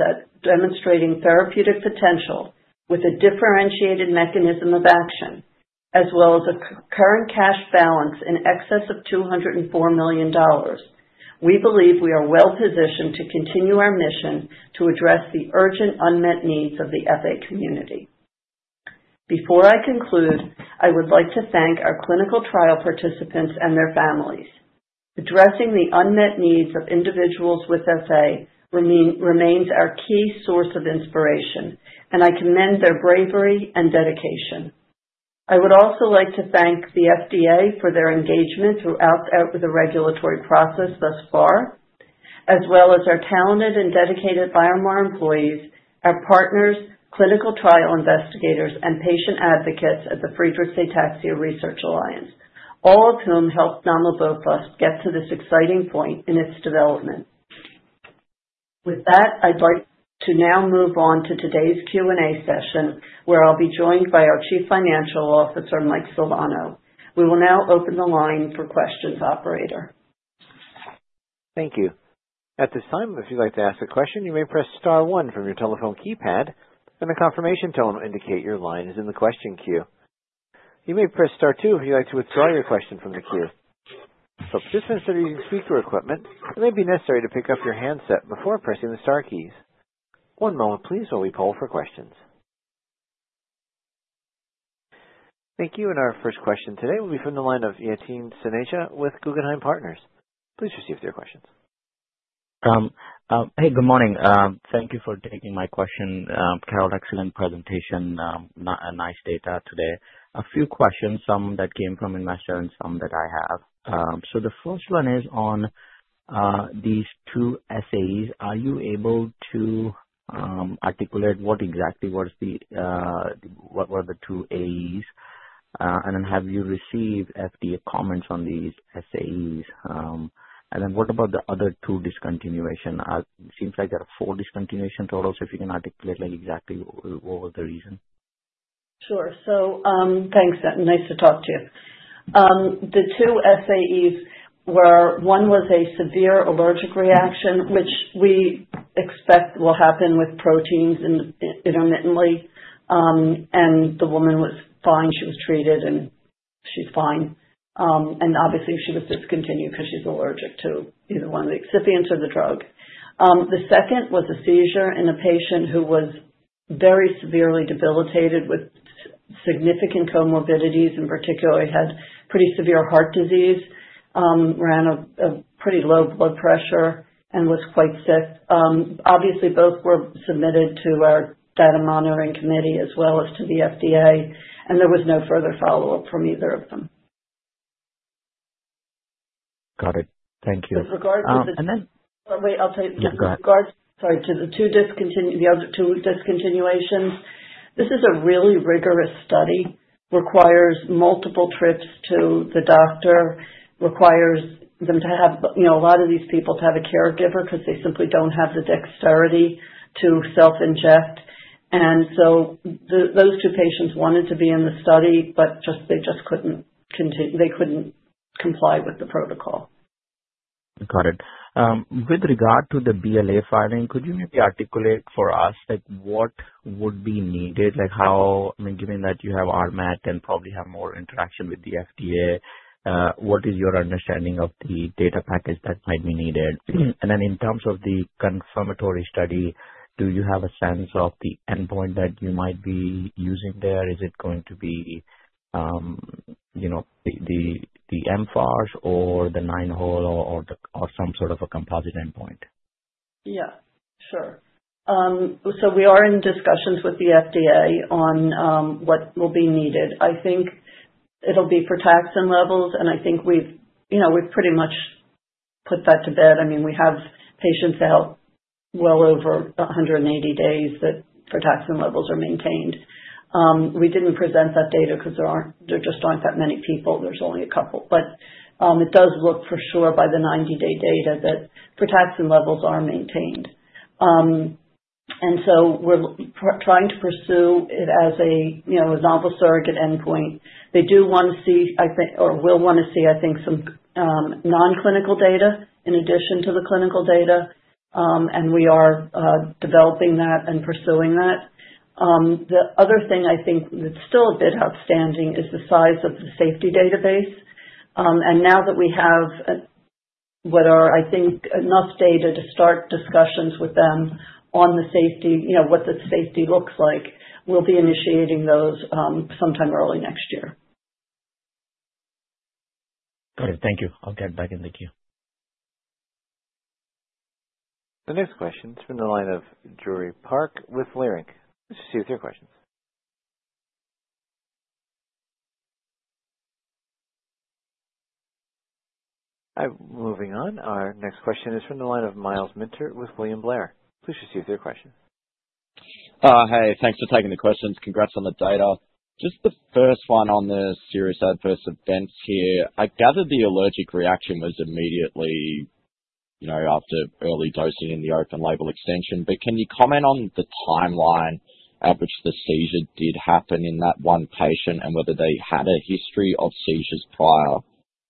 set demonstrating therapeutic potential with a differentiated mechanism of action, as well as a current cash balance in excess of $204 million, we believe we are well positioned to continue our mission to address the urgent unmet needs of the FA community. Before I conclude, I would like to thank our clinical trial participants and their families. Addressing the unmet needs of individuals with FA remains our key source of inspiration, and I commend their bravery and dedication. I would also like to thank the FDA for their engagement throughout the regulatory process thus far, as well as our talented and dedicated Larimar employees, our partners, clinical trial investigators, and patient advocates at the Friedreich's Ataxia Research Alliance, all of whom helped nomlabofusp get to this exciting point in its development. With that, I'd like to now move on to today's Q&A session, where I'll be joined by our Chief Financial Officer, Mike Solano.We will now open the line for questions, operator. Thank you. At this time, if you'd like to ask a question, you may press Star 1 from your telephone keypad, and a confirmation tone will indicate your line is in the question queue. You may press Star 2 if you'd like to withdraw your question from the queue. For participants that are using speaker equipment, it may be necessary to pick up your handset before pressing the Star keys. One moment, please, while we poll for questions. Thank you. And our first question today will be from the line of Yatin Suneja with Guggenheim Partners. Please proceed with your questions. Hey, good morning. Thank you for taking my question. Carol, excellent presentation, nice data today. A few questions, some that came from investors and some that I have. So the first one is on these two SAEs. Are you able to articulate what exactly were the two AEs? And then have you received FDA comments on these SAEs? And then what about the other two discontinuation? It seems like there are four discontinuation totals, so if you can articulate exactly what was the reason. Sure. So thanks. Nice to talk to you. The two SAEs were one was a severe allergic reaction, which we expect will happen with proteins intermittently, and the woman was fine. She was treated, and she's fine. And obviously, she was discontinued because she's allergic to either one of the excipients or the drug. The second was a seizure in a patient who was very severely debilitated with significant comorbidities. In particular, he had pretty severe heart disease, ran a pretty low blood pressure, and was quite sick. Obviously, both were submitted to our Data Monitoring Committee as well as to the FDA, and there was no further follow-up from either of them. Got it. Thank you. And then with regards to the two discontinuations, this is a really rigorous study. It requires multiple trips to the doctor, requires them to have a lot of these people to have a caregiver because they simply don't have the dexterity to self-inject. And so those two patients wanted to be in the study, but they just couldn't comply with the protocol. Got it. With regard to the BLA filing, could you maybe articulate for us what would be needed? I mean, given that you have RMAT and probably have more interaction with the FDA, what is your understanding of the data package that might be needed? And then in terms of the confirmatory study, do you have a sense of the endpoint that you might be using there? Is it going to be the MFARS or the nine-hole or some sort of a composite endpoint? Yeah. Sure. So we are in discussions with the FDA on what will be needed. I think it'll be frataxin levels, and I think we've pretty much put that to bed. I mean, we have patients out well over 180 days that frataxin levels are maintained. We didn't present that data because there just aren't that many people. There's only a couple. But it does look for sure by the 90-day data that frataxin levels are maintained. And so we're trying to pursue it as a novel surrogate endpoint. They do want to see or will want to see, I think, some non-clinical data in addition to the clinical data, and we are developing that and pursuing that. The other thing I think that's still a bit outstanding is the size of the safety database. And now that we have what are, I think, enough data to start discussions with them on the safety, what the safety looks like, we'll be initiating those sometime early next year. Got it. Thank you. I'll get back in the queue. The next question is from the line of Joori Park with Leerink. Let's see if there are questions. Moving on, our next question is from the line of Myles Minter with William Blair. Please proceed with your question. Hey, thanks for taking the questions. Congrats on the data. Just the first one on the serious adverse events here. I gather the allergic reaction was immediately after early dosing in the open-label extension, but can you comment on the timeline at which the seizure did happen in that one patient and whether they had a history of seizures prior?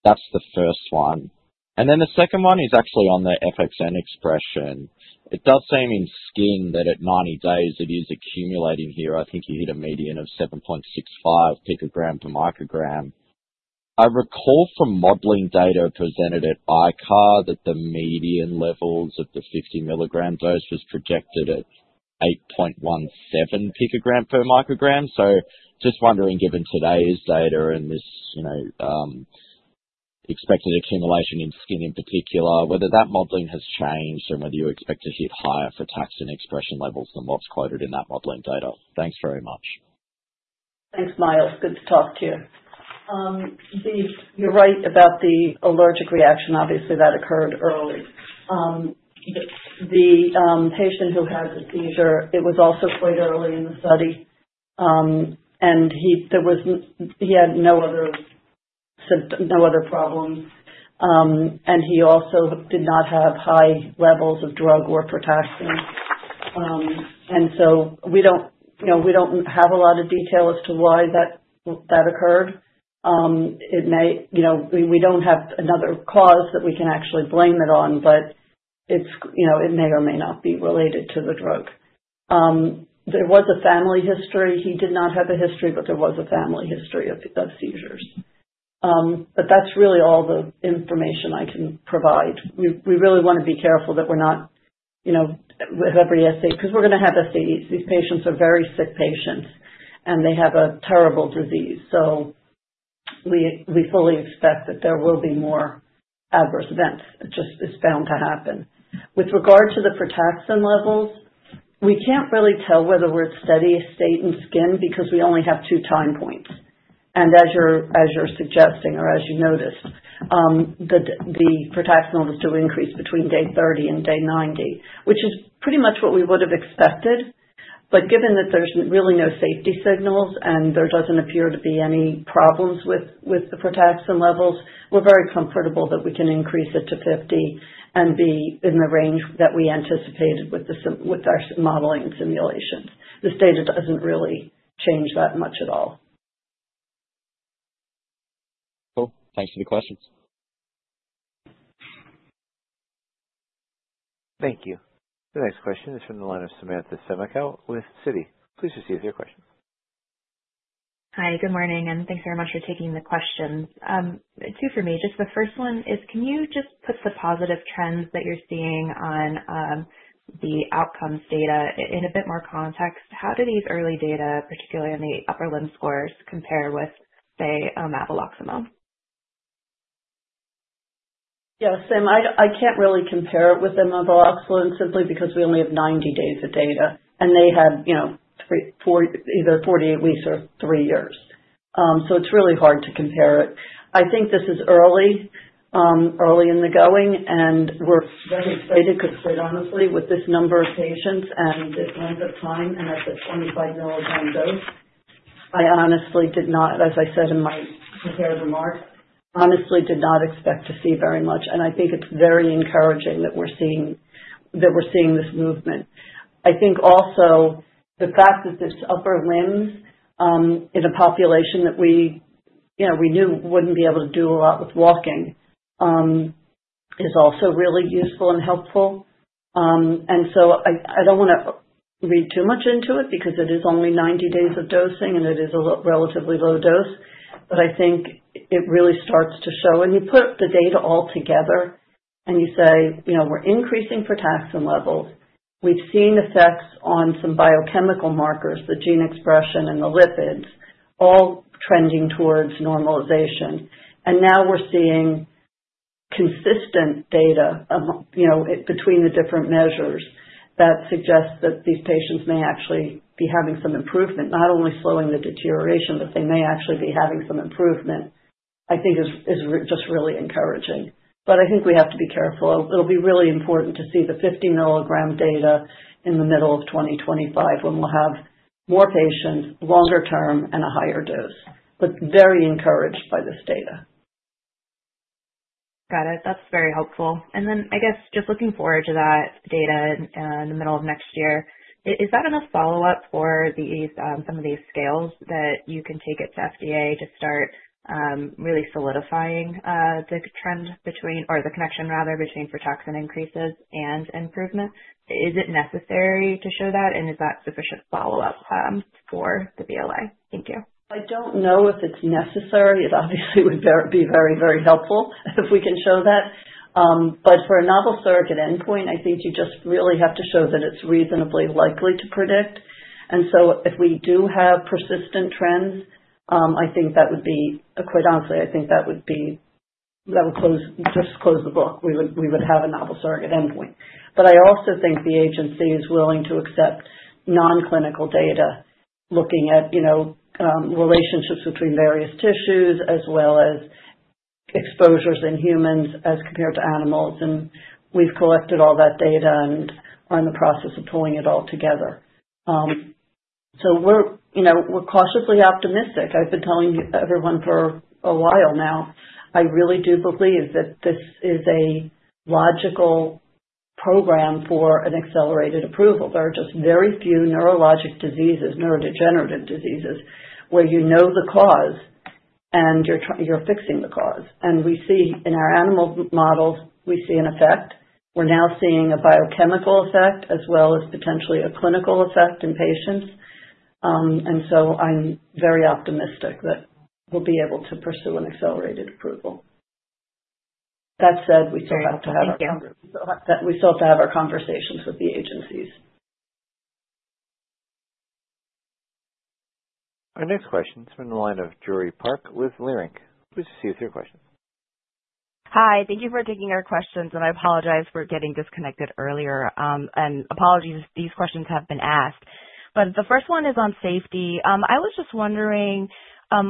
That's the first one. And then the second one is actually on the FXN expression. It does seem in skin that at 90 days, it is accumulating here. I think you hit a median of 7.65 picogram per microgram. I recall from modeling data presented at ICAR that the median levels of the 50 milligram dose was projected at 8.17 picogram per microgram. So just wondering, given today's data and this expected accumulation in skin in particular, whether that modeling has changed and whether you expect to hit higher frataxin expression levels than what's quoted in that modeling data. Thanks very much. Thanks, Miles. Good to talk to you. You're right about the allergic reaction. Obviously, that occurred early. The patient who had the seizure, it was also quite early in the study, and he had no other problems. And he also did not have high levels of drug or frataxin. And so we don't have a lot of detail as to why that occurred. It may, we don't have another cause that we can actually blame it on, but it may or may not be related to the drug. There was a family history. He did not have a history, but there was a family history of seizures. But that's really all the information I can provide. We really want to be careful that we're not with every because we're going to have SAEs. These patients are very sick patients, and they have a terrible disease. So we fully expect that there will be more adverse events. It just is bound to happen. With regard to the frataxin levels, we can't really tell whether we're at steady state in skin because we only have two time points. And as you're suggesting or as you noticed, the frataxin levels do increase between day 30 and day 90, which is pretty much what we would have expected. But given that there's really no safety signals and there doesn't appear to be any problems with the frataxin levels, we're very comfortable that we can increase it to 50 and be in the range that we anticipated with our modeling simulations. The data doesn't really change that much at all. Cool. Thanks for the questions. Thank you. The next question is from the line of Samantha Semenkow with Citi. Please proceed with your question. Hi. Good morning, and thanks very much for taking the questions. Two for me. Just the first one is, can you just put the positive trends that you're seeing on the outcomes data in a bit more context? How do these early data, particularly in the upper limb scores, compare with, say, omaveloxolone? Yeah. Sam, I can't really compare it with omaveloxolone simply because we only have 90 days of data, and they had either 48 weeks or three years. So it's really hard to compare it. I think this is early in the going, and we're very excited because, quite honestly, with this number of patients and this length of time and at the 25 milligram dose, I honestly did not, as I said in my prepared remarks, honestly did not expect to see very much. I think it's very encouraging that we're seeing this movement. I think also the fact that this upper limbs in a population that we knew wouldn't be able to do a lot with walking is also really useful and helpful, and so I don't want to read too much into it because it is only 90 days of dosing, and it is a relatively low dose. But I think it really starts to show, and you put the data all together, and you say, "We're increasing frataxin levels. We've seen effects on some biochemical markers, the gene expression and the lipids, all trending towards normalization," and now we're seeing consistent data between the different measures that suggests that these patients may actually be having some improvement, not only slowing the deterioration, but they may actually be having some improvement, I think is just really encouraging, but I think we have to be careful. It'll be really important to see the 50 milligram data in the middle of 2025 when we'll have more patients, longer term, and a higher dose. But very encouraged by this data. Got it. That's very helpful. And then I guess just looking forward to that data in the middle of next year, is that enough follow-up for some of these scales that you can take at FDA to start really solidifying the trend or the connection, rather, between frataxin increases and improvement? Is it necessary to show that, and is that sufficient follow-up for the BLA? Thank you. I don't know if it's necessary. It obviously would be very, very helpful if we can show that. But for a novel surrogate endpoint, I think you just really have to show that it's reasonably likely to predict. And so if we do have persistent trends, I think that would be, quite honestly, I think that would just close the book. We would have a novel surrogate endpoint. But I also think the agency is willing to accept non-clinical data looking at relationships between various tissues as well as exposures in humans as compared to animals. And we've collected all that data and are in the process of pulling it all together. So we're cautiously optimistic. I've been telling everyone for a while now. I really do believe that this is a logical program for an accelerated approval. There are just very few neurologic diseases, neurodegenerative diseases, where you know the cause and you're fixing the cause. And in our animal models, we see an effect. We're now seeing a biochemical effect as well as potentially a clinical effect in patients. And so I'm very optimistic that we'll be able to pursue an accelerated approval. That said, we still have to have our - thank you. We still have to have our conversations with the agencies. Our next question is from the line of Joori Park with Leerink. Please proceed with your questions. Hi. Thank you for taking our questions. And I apologize for getting disconnected earlier. And apologies. These questions have been asked. But the first one is on safety. I was just wondering, of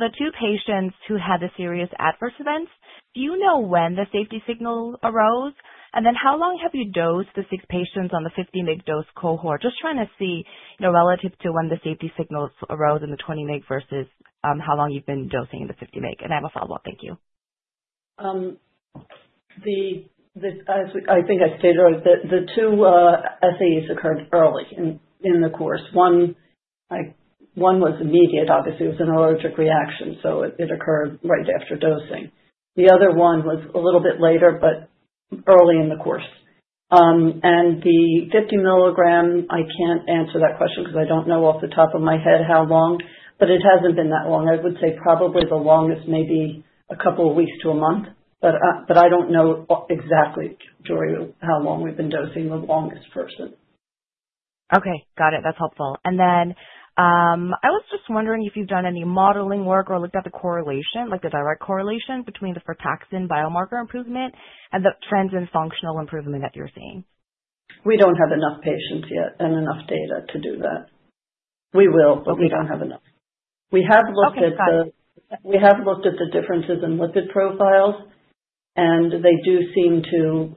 the two patients who had the serious adverse events, do you know when the safety signal arose? And then how long have you dosed the six patients on the 50-mg dose cohort? Just trying to see relative to when the safety signals arose in the 20-mg versus how long you've been dosing in the 50-mg. And I have a follow-up. Thank you. I think I stated earlier, the two SAEs occurred early in the course. One was immediate, obviously. It was an allergic reaction, so it occurred right after dosing. The other one was a little bit later, but early in the course, and the 50 milligram, I can't answer that question because I don't know off the top of my head how long, but it hasn't been that long. I would say probably the longest, maybe a couple of weeks to a month. But I don't know exactly, Joori, how long we've been dosing the longest person. Okay. Got it. That's helpful, and then I was just wondering if you've done any modeling work or looked at the direct correlation between the frataxin biomarker improvement and the trends in functional improvement that you're seeing. We don't have enough patients yet and enough data to do that. We will, but we don't have enough. We have looked at the differences in lipid profiles, and they do seem to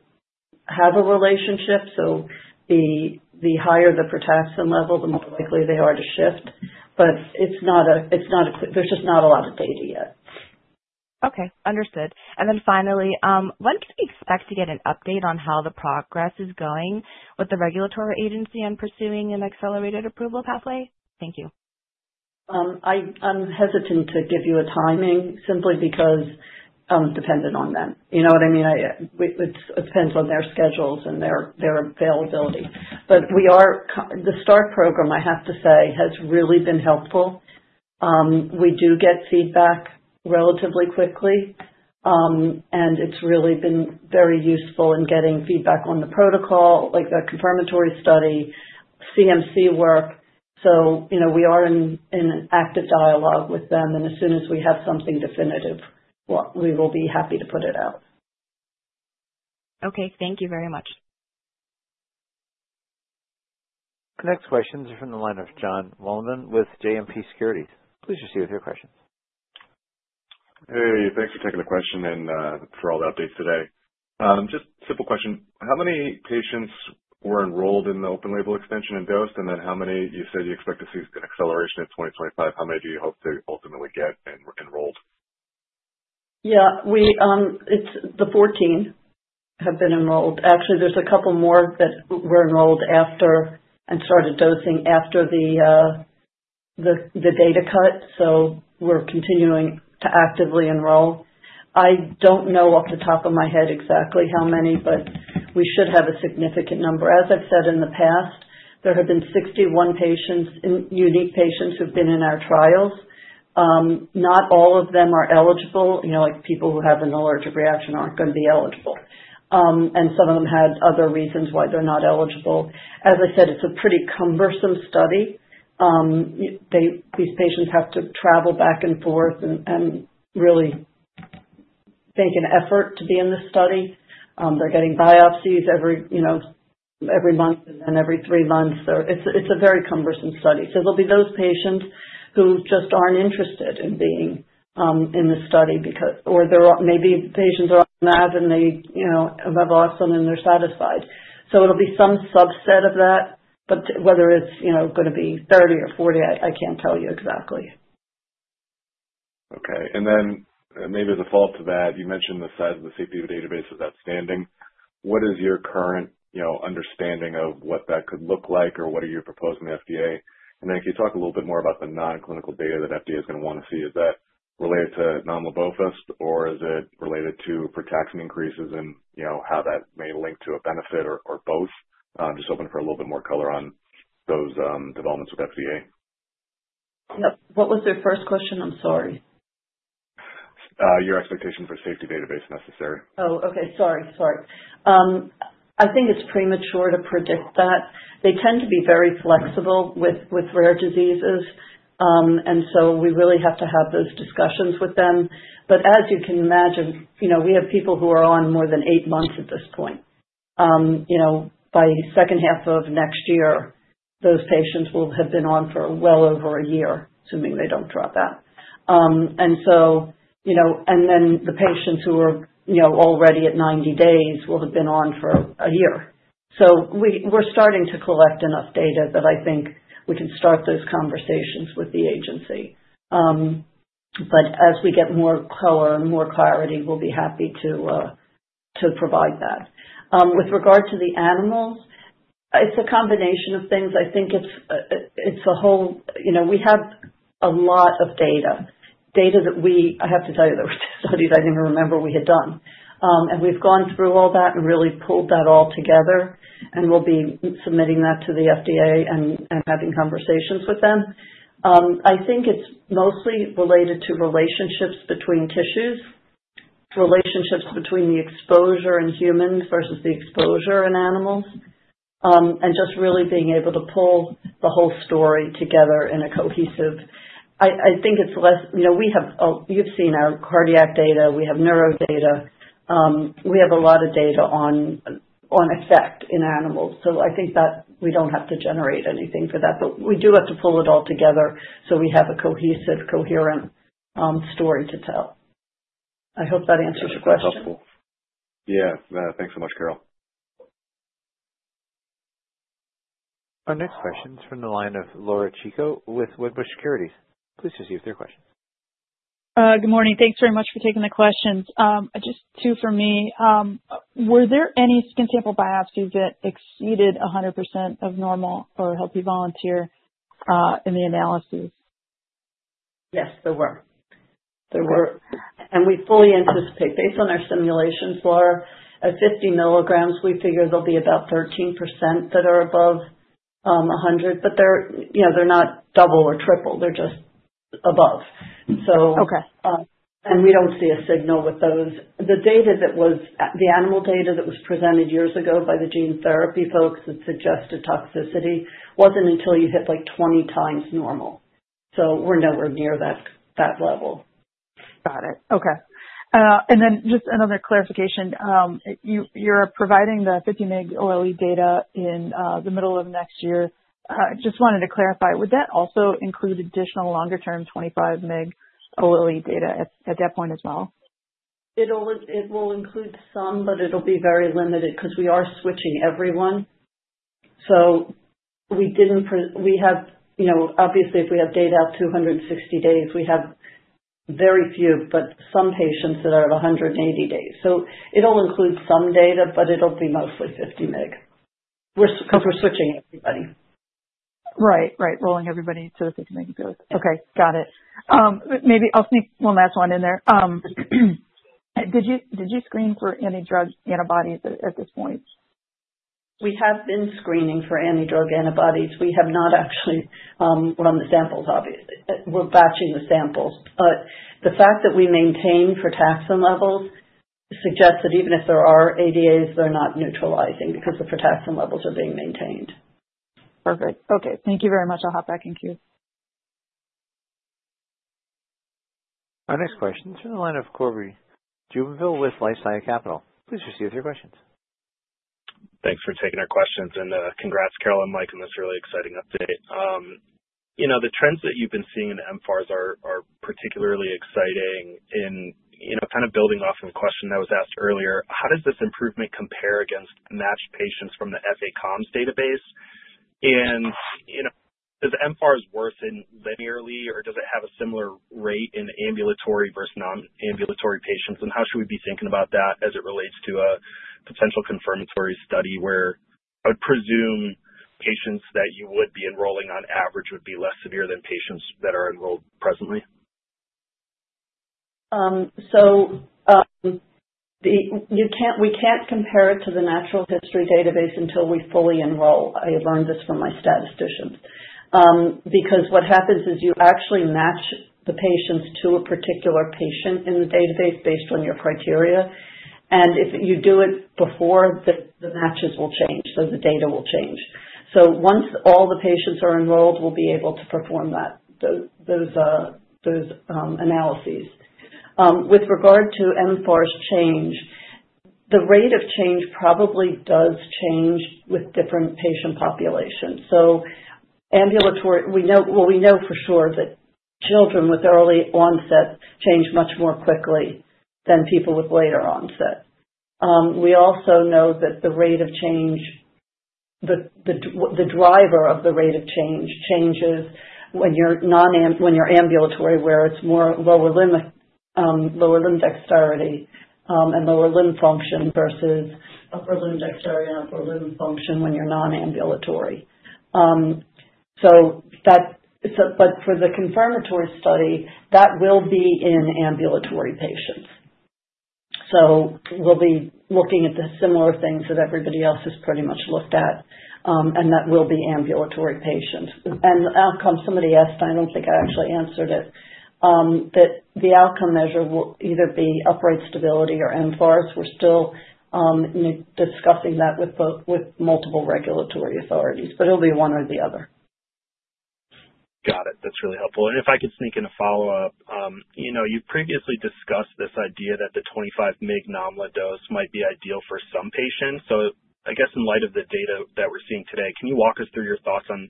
have a relationship. So the higher the frataxin level, the more likely they are to shift. But there's just not a lot of data yet. Okay. Understood. And then finally, when can we expect to get an update on how the progress is going with the regulatory agency on pursuing an accelerated approval pathway? Thank you. I'm hesitant to give you a timing simply because dependent on them. You know what I mean? It depends on their schedules and their availability. But the START program, I have to say, has really been helpful. We do get feedback relatively quickly, and it's really been very useful in getting feedback on the protocol, the confirmatory study, CMC work. So we are in an active dialogue with them, and as soon as we have something definitive, we will be happy to put it out. Okay. Thank you very much. The next question is from the line of Jon Wolleben with JMP Securities. Please proceed with your questions. Hey. Thanks for taking the question and for all the updates today. Just a simple question. How many patients were enrolled in the open-label extension and dosed, and then how many you said you expect to see an acceleration in 2025? How many do you hope to ultimately get enrolled? Y eah. The 14 have been enrolled. Actually, there's a couple more that were enrolled after and started dosing after the data cut. So we're continuing to actively enroll. I don't know off the top of my head exactly how many, but we should have a significant number. As I've said in the past, there have been 61 unique patients who've been in our trials. Not all of them are eligible. People who have an allergic reaction aren't going to be eligible, and some of them had other reasons why they're not eligible. As I said, it's a pretty cumbersome study. These patients have to travel back and forth and really make an effort to be in the study. They're getting biopsies every month and then every three months. It's a very cumbersome study, so there'll be those patients who just aren't interested in being in the study or maybe patients are on that and they have omaveloxolone and they're satisfied, so it'll be some subset of that, but whether it's going to be 30 or 40, I can't tell you exactly. Okay. And then maybe as a follow-up to that, you mentioned the size of the safety database is outstanding. What is your current understanding of what that could look like or what are you proposing to FDA? And then can you talk a little bit more about the non-clinical data that FDA is going to want to see? Is that related to nomlabofusp or is it related to frataxin increases and how that may link to a benefit or both? Just hoping for a little bit more color on those developments with FDA. What was your first question? I'm sorry. Your expectation for safety database necessary. Oh, okay. Sorry, sorry. I think it's premature to predict that. They tend to be very flexible with rare diseases, and so we really have to have those discussions with them. But as you can imagine, we have people who are on more than eight months at this point. By second half of next year, those patients will have been on for well over a year, assuming they don't drop out. And then the patients who are already at 90 days will have been on for a year. So we're starting to collect enough data that I think we can start those conversations with the agency. But as we get more color and more clarity, we'll be happy to provide that. With regard to the animals, it's a combination of things. I think it's a whole - we have a lot of data. I have to tell you there were two studies I didn't remember we had done. And we've gone through all that and really pulled that all together, and we'll be submitting that to the FDA and having conversations with them. I think it's mostly related to relationships between tissues, relationships between the exposure in humans versus the exposure in animals, and just really being able to pull the whole story together in a cohesive way. I think it's less. We have seen our cardiac data. We have neuro data. We have a lot of data on effect in animals. So I think that we don't have to generate anything for that. But we do have to pull it all together so we have a cohesive, coherent story to tell. I hope that answers your question. Yeah. Thanks so much, Carol. Our next question is from the line of Laura Chico with Wedbush Securities. Please proceed with your questions. Good morning. Thanks very much for taking the questions. Just two from me. Were there any skin sample biopsies that exceeded 100% of normal or healthy volunteer in the analysis? Yes, there were. There were. We fully anticipate, based on our simulations, Laura, of 50 milligrams, we figure there'll be about 13% that are above 100. But they're not double or triple. They're just above. And we don't see a signal with those. The animal data that was presented years ago by the gene therapy folks that suggested toxicity wasn't until you hit like 20 times normal. So we're nowhere near that level. Got it. Okay. Then just another clarification. You're providing the 50-mg OLE data in the middle of next year. Just wanted to clarify. Would that also include additional longer-term 25-mg OLE data at that point as well? It will include some, but it'll be very limited because we are switching everyone. So we have, obviously, if we have data of 260 days, we have very few, but some patients that are at 180 days. So it'll include some data, but it'll be mostly 50-mg because we're switching everybody. Right, right. Rolling everybody to the 50-mg dose. Okay. Got it. Maybe I'll sneak one last one in there. Did you screen for anti-drug antibodies at this point? We have been screening for anti-drug antibodies. We have not actually run the samples, obviously. We're batching the samples. But the fact that we maintain frataxin levels suggests that even if there are ADAs, they're not neutralizing because the frataxin levels are being maintained. Perfect. Okay. Thank you very much. I'll hop back in queue. Our next question is from the line of Cory Jubinville with LifeSci Capital. Please proceed with your questions. Thanks for taking our questions. And congrats, Carol and Mike, on this really exciting update. The trends that you've been seeing in MFARS are particularly exciting in kind of building off of the question that was asked earlier. How does this improvement compare against matched patients from the FACOMS database? And is MFARS worse linearly, or does it have a similar rate in ambulatory versus non-ambulatory patients? And how should we be thinking about that as it relates to a potential confirmatory study where I would presume patients that you would be enrolling on average would be less severe than patients that are enrolled presently? So we can't compare it to the natural history database until we fully enroll. I learned this from my statisticians. Because what happens is you actually match the patients to a particular patient in the database based on your criteria. And if you do it before, the matches will change. So the data will change. Once all the patients are enrolled, we'll be able to perform those analyses. With regard to MFARS change, the rate of change probably does change with different patient populations. We know for sure that children with early onset change much more quickly than people with later onset. We also know that the rate of change, the driver of the rate of change, changes when you're ambulatory, where it's more lower limb dexterity and lower limb function versus upper limb dexterity and upper limb function when you're non-ambulatory. For the confirmatory study, that will be in ambulatory patients. We'll be looking at the similar things that everybody else has pretty much looked at, and that will be ambulatory patients. Somebody asked, and I don't think I actually answered it, that the outcome measure will either be upright stability or MFARS. We're still discussing that with multiple regulatory authorities, but it'll be one or the other. Got it. That's really helpful. And if I could sneak in a follow-up, you previously discussed this idea that the 25-mg nominal dose might be ideal for some patients. So I guess in light of the data that we're seeing today, can you walk us through your thoughts on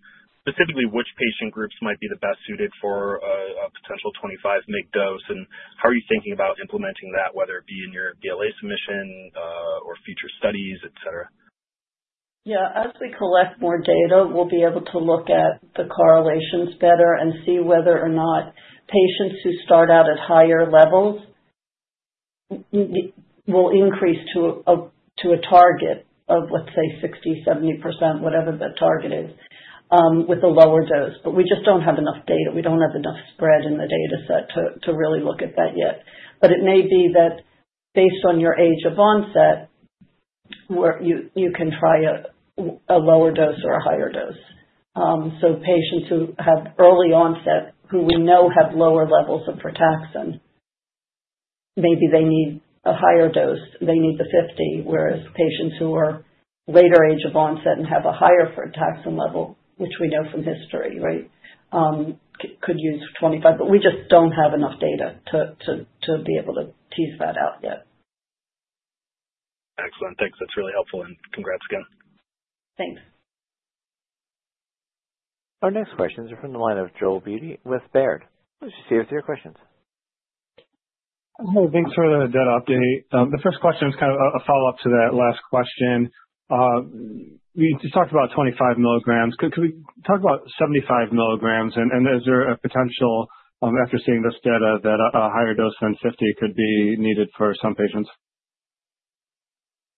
specifically which patient groups might be the best suited for a potential 25-mg dose, and how are you thinking about implementing that, whether it be in your BLA submission or future studies, etc.? Yeah. As we collect more data, we'll be able to look at the correlations better and see whether or not patients who start out at higher levels will increase to a target of, let's say, 60%, 70%, whatever the target is, with a lower dose. But we just don't have enough data. We don't have enough spread in the dataset to really look at that yet. But it may be that based on your age of onset, you can try a lower dose or a higher dose. So patients who have early onset who we know have lower levels of frataxin, maybe they need a higher dose. They need the 50, whereas patients who are later age of onset and have a higher frataxin level, which we know from history, right, could use 25. But we just don't have enough data to be able to tease that out yet. Excellent. Thanks. That's really helpful. And congrats again. Thanks. Our next questions are from the line of Joel Beatty with Baird. Please proceed with your questions. Hey. Thanks for that update. The first question is kind of a follow-up to that last question. You just talked about 25 milligrams. Could we talk about 75 milligrams? And is there a potential, after seeing this data, that a higher dose than 50 could be needed for some patients?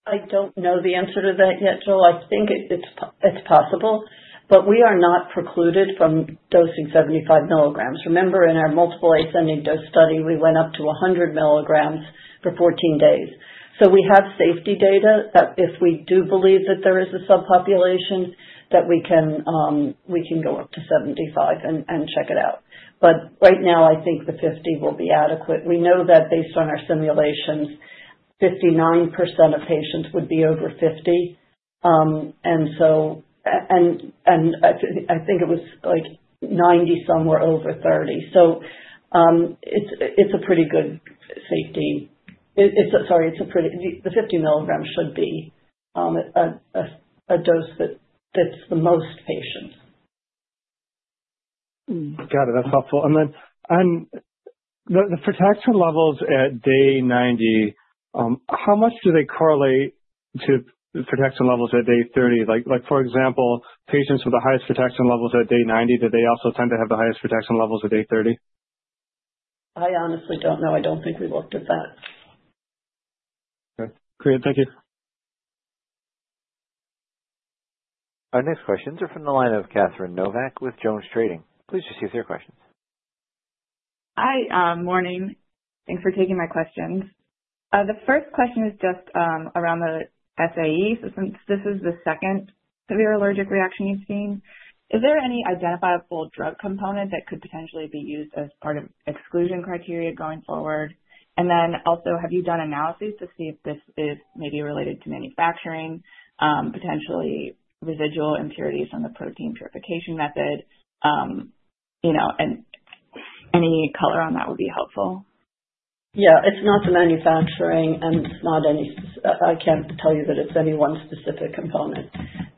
I don't know the answer to that yet, Joel. I think it's possible. But we are not precluded from dosing 75 milligrams. Remember, in our multiple ascending dose study, we went up to 100 milligrams for 14 days. So we have safety data that if we do believe that there is a subpopulation, that we can go up to 75 and check it out. But right now, I think the 50 will be adequate. We know that based on our simulations, 59% of patients would be over 50. And I think it was like 90 somewhere over 30. So it's a pretty good safety. Sorry, the 50 milligrams should be a dose that fits the most patients. Got it. That's helpful. And then the frataxin levels at day 90, how much do they correlate to frataxin levels at day 30? For example, patients with the highest frataxin levels at day 90, do they also tend to have the highest frataxin levels at day 30? I honestly don't know. I don't think we looked at that. Okay. Great. Thank you. Our next questions are from the line of Catherine Novack with Jones Trading. Please proceed with your questions. Hi. Morning. Thanks for taking my questions. The first question is just around the SAE. Since this is the second severe allergic reaction you've seen, is there any identifiable drug component that could potentially be used as part of exclusion criteria going forward? And then also, have you done analyses to see if this is maybe related to manufacturing, potentially residual impurities on the protein purification method? Any color on that would be helpful. Yeah. It's not the manufacturing, and I can't tell you that it's any one specific component.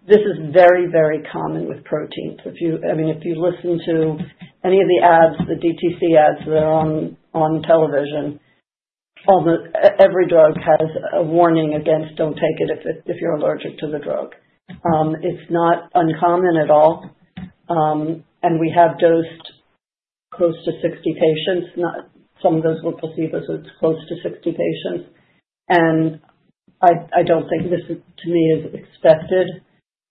This is very, very common with proteins. I mean, if you listen to any of the ads, the DTC ads that are on television, every drug has a warning against, "Don't take it if you're allergic to the drug." It's not uncommon at all. And we have dosed close to 60 patients. Some of those were placebos, so it's close to 60 patients. And I don't think this, to me, is expected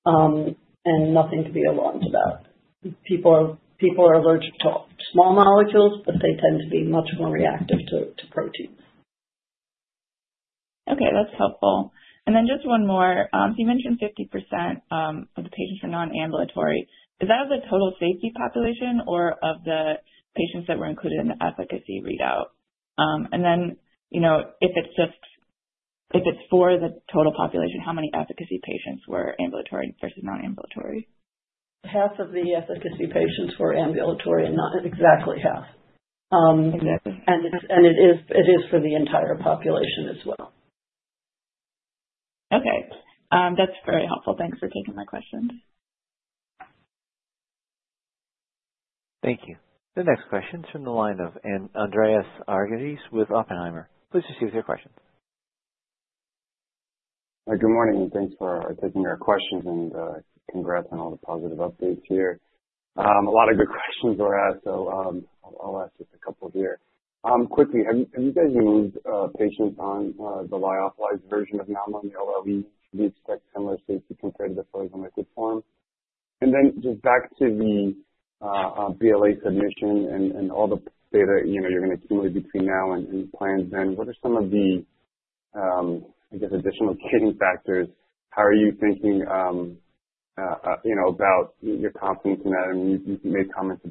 and nothing to be alarmed about. People are allergic to small molecules, but they tend to be much more reactive to proteins. Okay. That's helpful. And then just one more. So you mentioned 50% of the patients were non-ambulatory. Is that of the total safety population or of the patients that were included in the efficacy readout? And then if it's just if it's for the total population, how many efficacy patients were ambulatory versus non-ambulatory? Half of the efficacy patients were ambulatory and not exactly half. And it is for the entire population as well. Okay. That's very helpful. Thanks for taking my questions. Thank you. The next question is from the line of Andreas Argyrides with Oppenheimer. Please proceed with your questions. Hi. Good morning. And thanks for taking our questions and congrats on all the positive updates here. A lot of good questions were asked, so I'll ask just a couple here. Quickly, have you guys moved patients on the lyophilized version of nomlabofusp in the OLE? Do you expect similar safety compared to the frozen liquid form? And then just back to the BLA submission and all the data you're going to accumulate between now and then, what are some of the, I guess, additional gating factors? How are you thinking about your confidence in that? And you made comments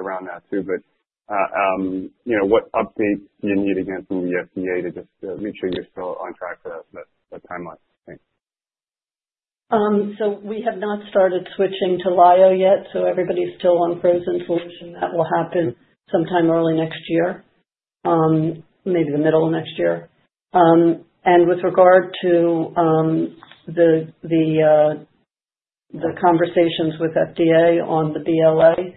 around that too. But what updates do you need again from the FDA to just make sure you're still on track for that timeline? Thanks. So we have not started switching to LYO yet, so everybody's still on frozen solution. That will happen sometime early next year, maybe the middle of next year. And with regard to the conversations with FDA on the BLA,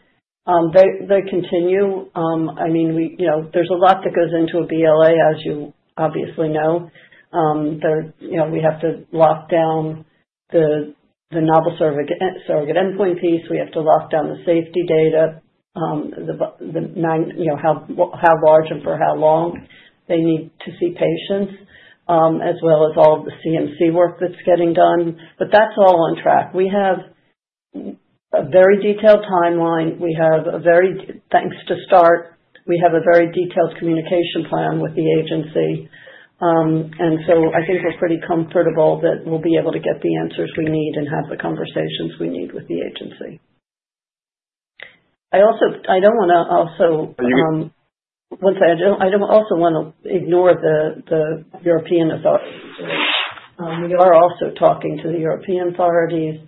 they continue. I mean, there's a lot that goes into a BLA, as you obviously know. We have to lock down the novel surrogate endpoint piece. We have to lock down the safety data, how large and for how long they need to see patients, as well as all of the CMC work that's getting done. But that's all on track. We have a very detailed timeline. Thanks to START, we have a very detailed communication plan with the agency, and so I think we're pretty comfortable that we'll be able to get the answers we need and have the conversations we need with the agency. I also don't want to ignore the European authorities. We are also talking to the European authorities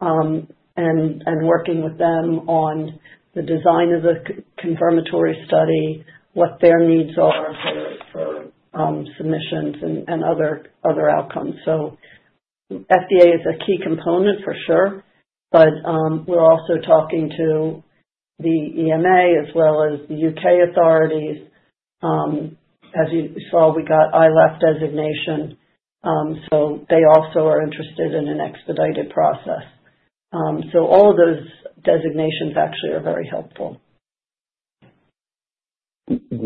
and working with them on the design of the confirmatory study, what their needs are for submissions and other outcomes, so FDA is a key component, for sure, but we're also talking to the EMA as well as the UK authorities. As you saw, we got ILAP designation. So they also are interested in an expedited process. So all of those designations actually are very helpful.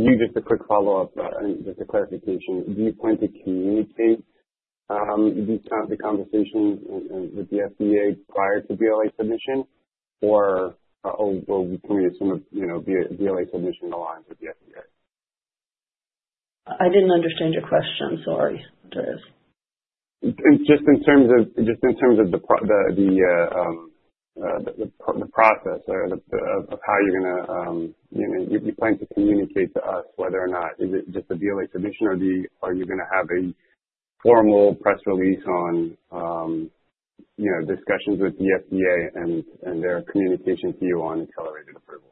Just a quick follow-up and just a clarification. Do you plan to communicate the conversations with the FDA prior to BLA submission, or can we assume BLA submission aligns with the FDA? I didn't understand your question. I'm sorry, Andreas. Just in terms of the process of how you're going to plan to communicate to us whether or not is it just a BLA submission, or are you going to have a formal press release on discussions with the FDA and their communication to you on accelerated approval?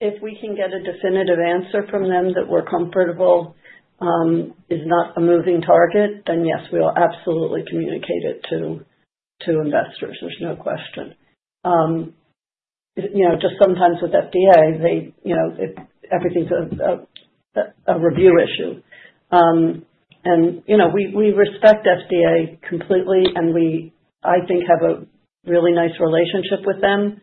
If we can get a definitive answer from them that we're comfortable is not a moving target, then yes, we'll absolutely communicate it to investors. There's no question. Just sometimes with FDA, everything's a review issue. And we respect FDA completely, and we, I think, have a really nice relationship with them.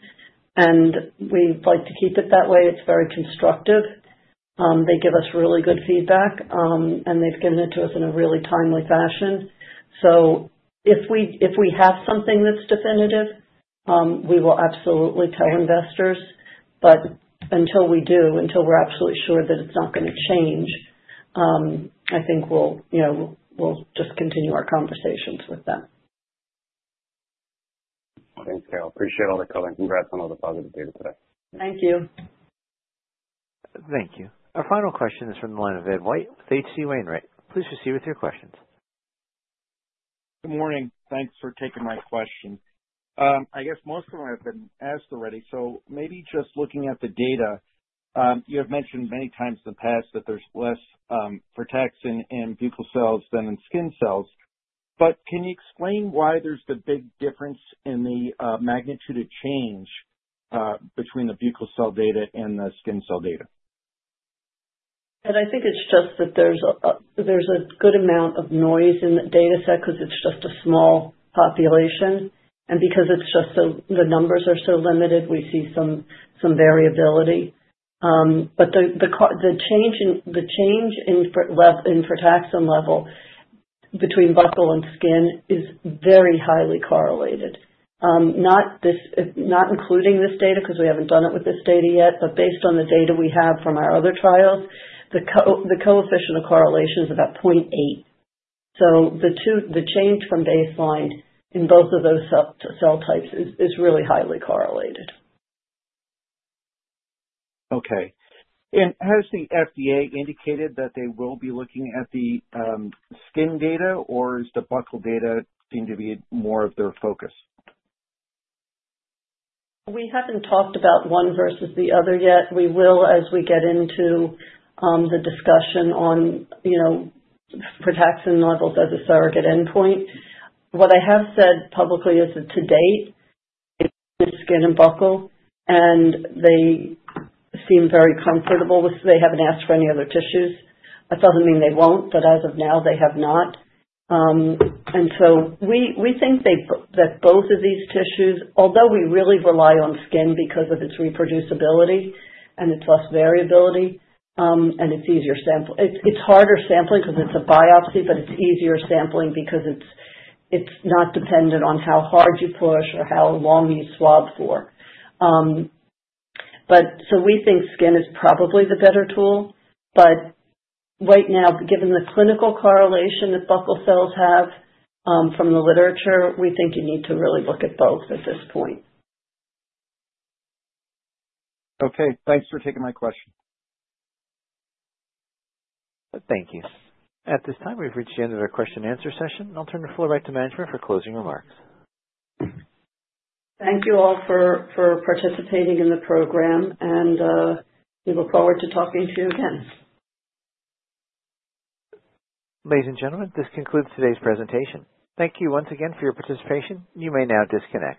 And we'd like to keep it that way. It's very constructive. They give us really good feedback, and they've given it to us in a really timely fashion. So if we have something that's definitive, we will absolutely tell investors. But until we do, until we're absolutely sure that it's not going to change, I think we'll just continue our conversations with them. Thanks, Carol. Appreciate all the color. Congrats on all the positive data today. Thank you. Thank you. Our final question is from the line of Ed White with H.C. Wainwright. Please proceed with your questions. Good morning. Thanks for taking my question. I guess most of them have been asked already. So, maybe just looking at the data, you have mentioned many times in the past that there's less frataxin in buccal cells than in skin cells. But can you explain why there's the big difference in the magnitude of change between the buccal cell data and the skin cell data? And I think it's just that there's a good amount of noise in the dataset because it's just a small population. And because the numbers are so limited, we see some variability. But the change in frataxin level between buccal and skin is very highly correlated. Not including this data because we haven't done it with this data yet, but based on the data we have from our other trials, the coefficient of correlation is about 0.8. So the change from baseline in both of those cell types is really highly correlated. Okay. Has the FDA indicated that they will be looking at the skin data, or is the buccal data seem to be more of their focus? We haven't talked about one versus the other yet. We will as we get into the discussion on frataxin levels as a surrogate endpoint. What I have said publicly is that to date, it's the skin and buccal, and they seem very comfortable with. They haven't asked for any other tissues. That doesn't mean they won't, but as of now, they have not. And so we think that both of these tissues, although we really rely on skin because of its reproducibility and its less variability, and it's easier sampling. It's harder sampling because it's a biopsy, but it's easier sampling because it's not dependent on how hard you push or how long you swab for. So we think skin is probably the better tool. But right now, given the clinical correlation that buccal cells have from the literature, we think you need to really look at both at this point. Okay. Thanks for taking my question. Thank you. At this time, we've reached the end of our question-and-answer session. I'll turn it back over to management for closing remarks. Thank you all for participating in the program, and we look forward to talking to you again. Ladies and gentlemen, this concludes today's presentation. Thank you once again for your participation. You may now disconnect.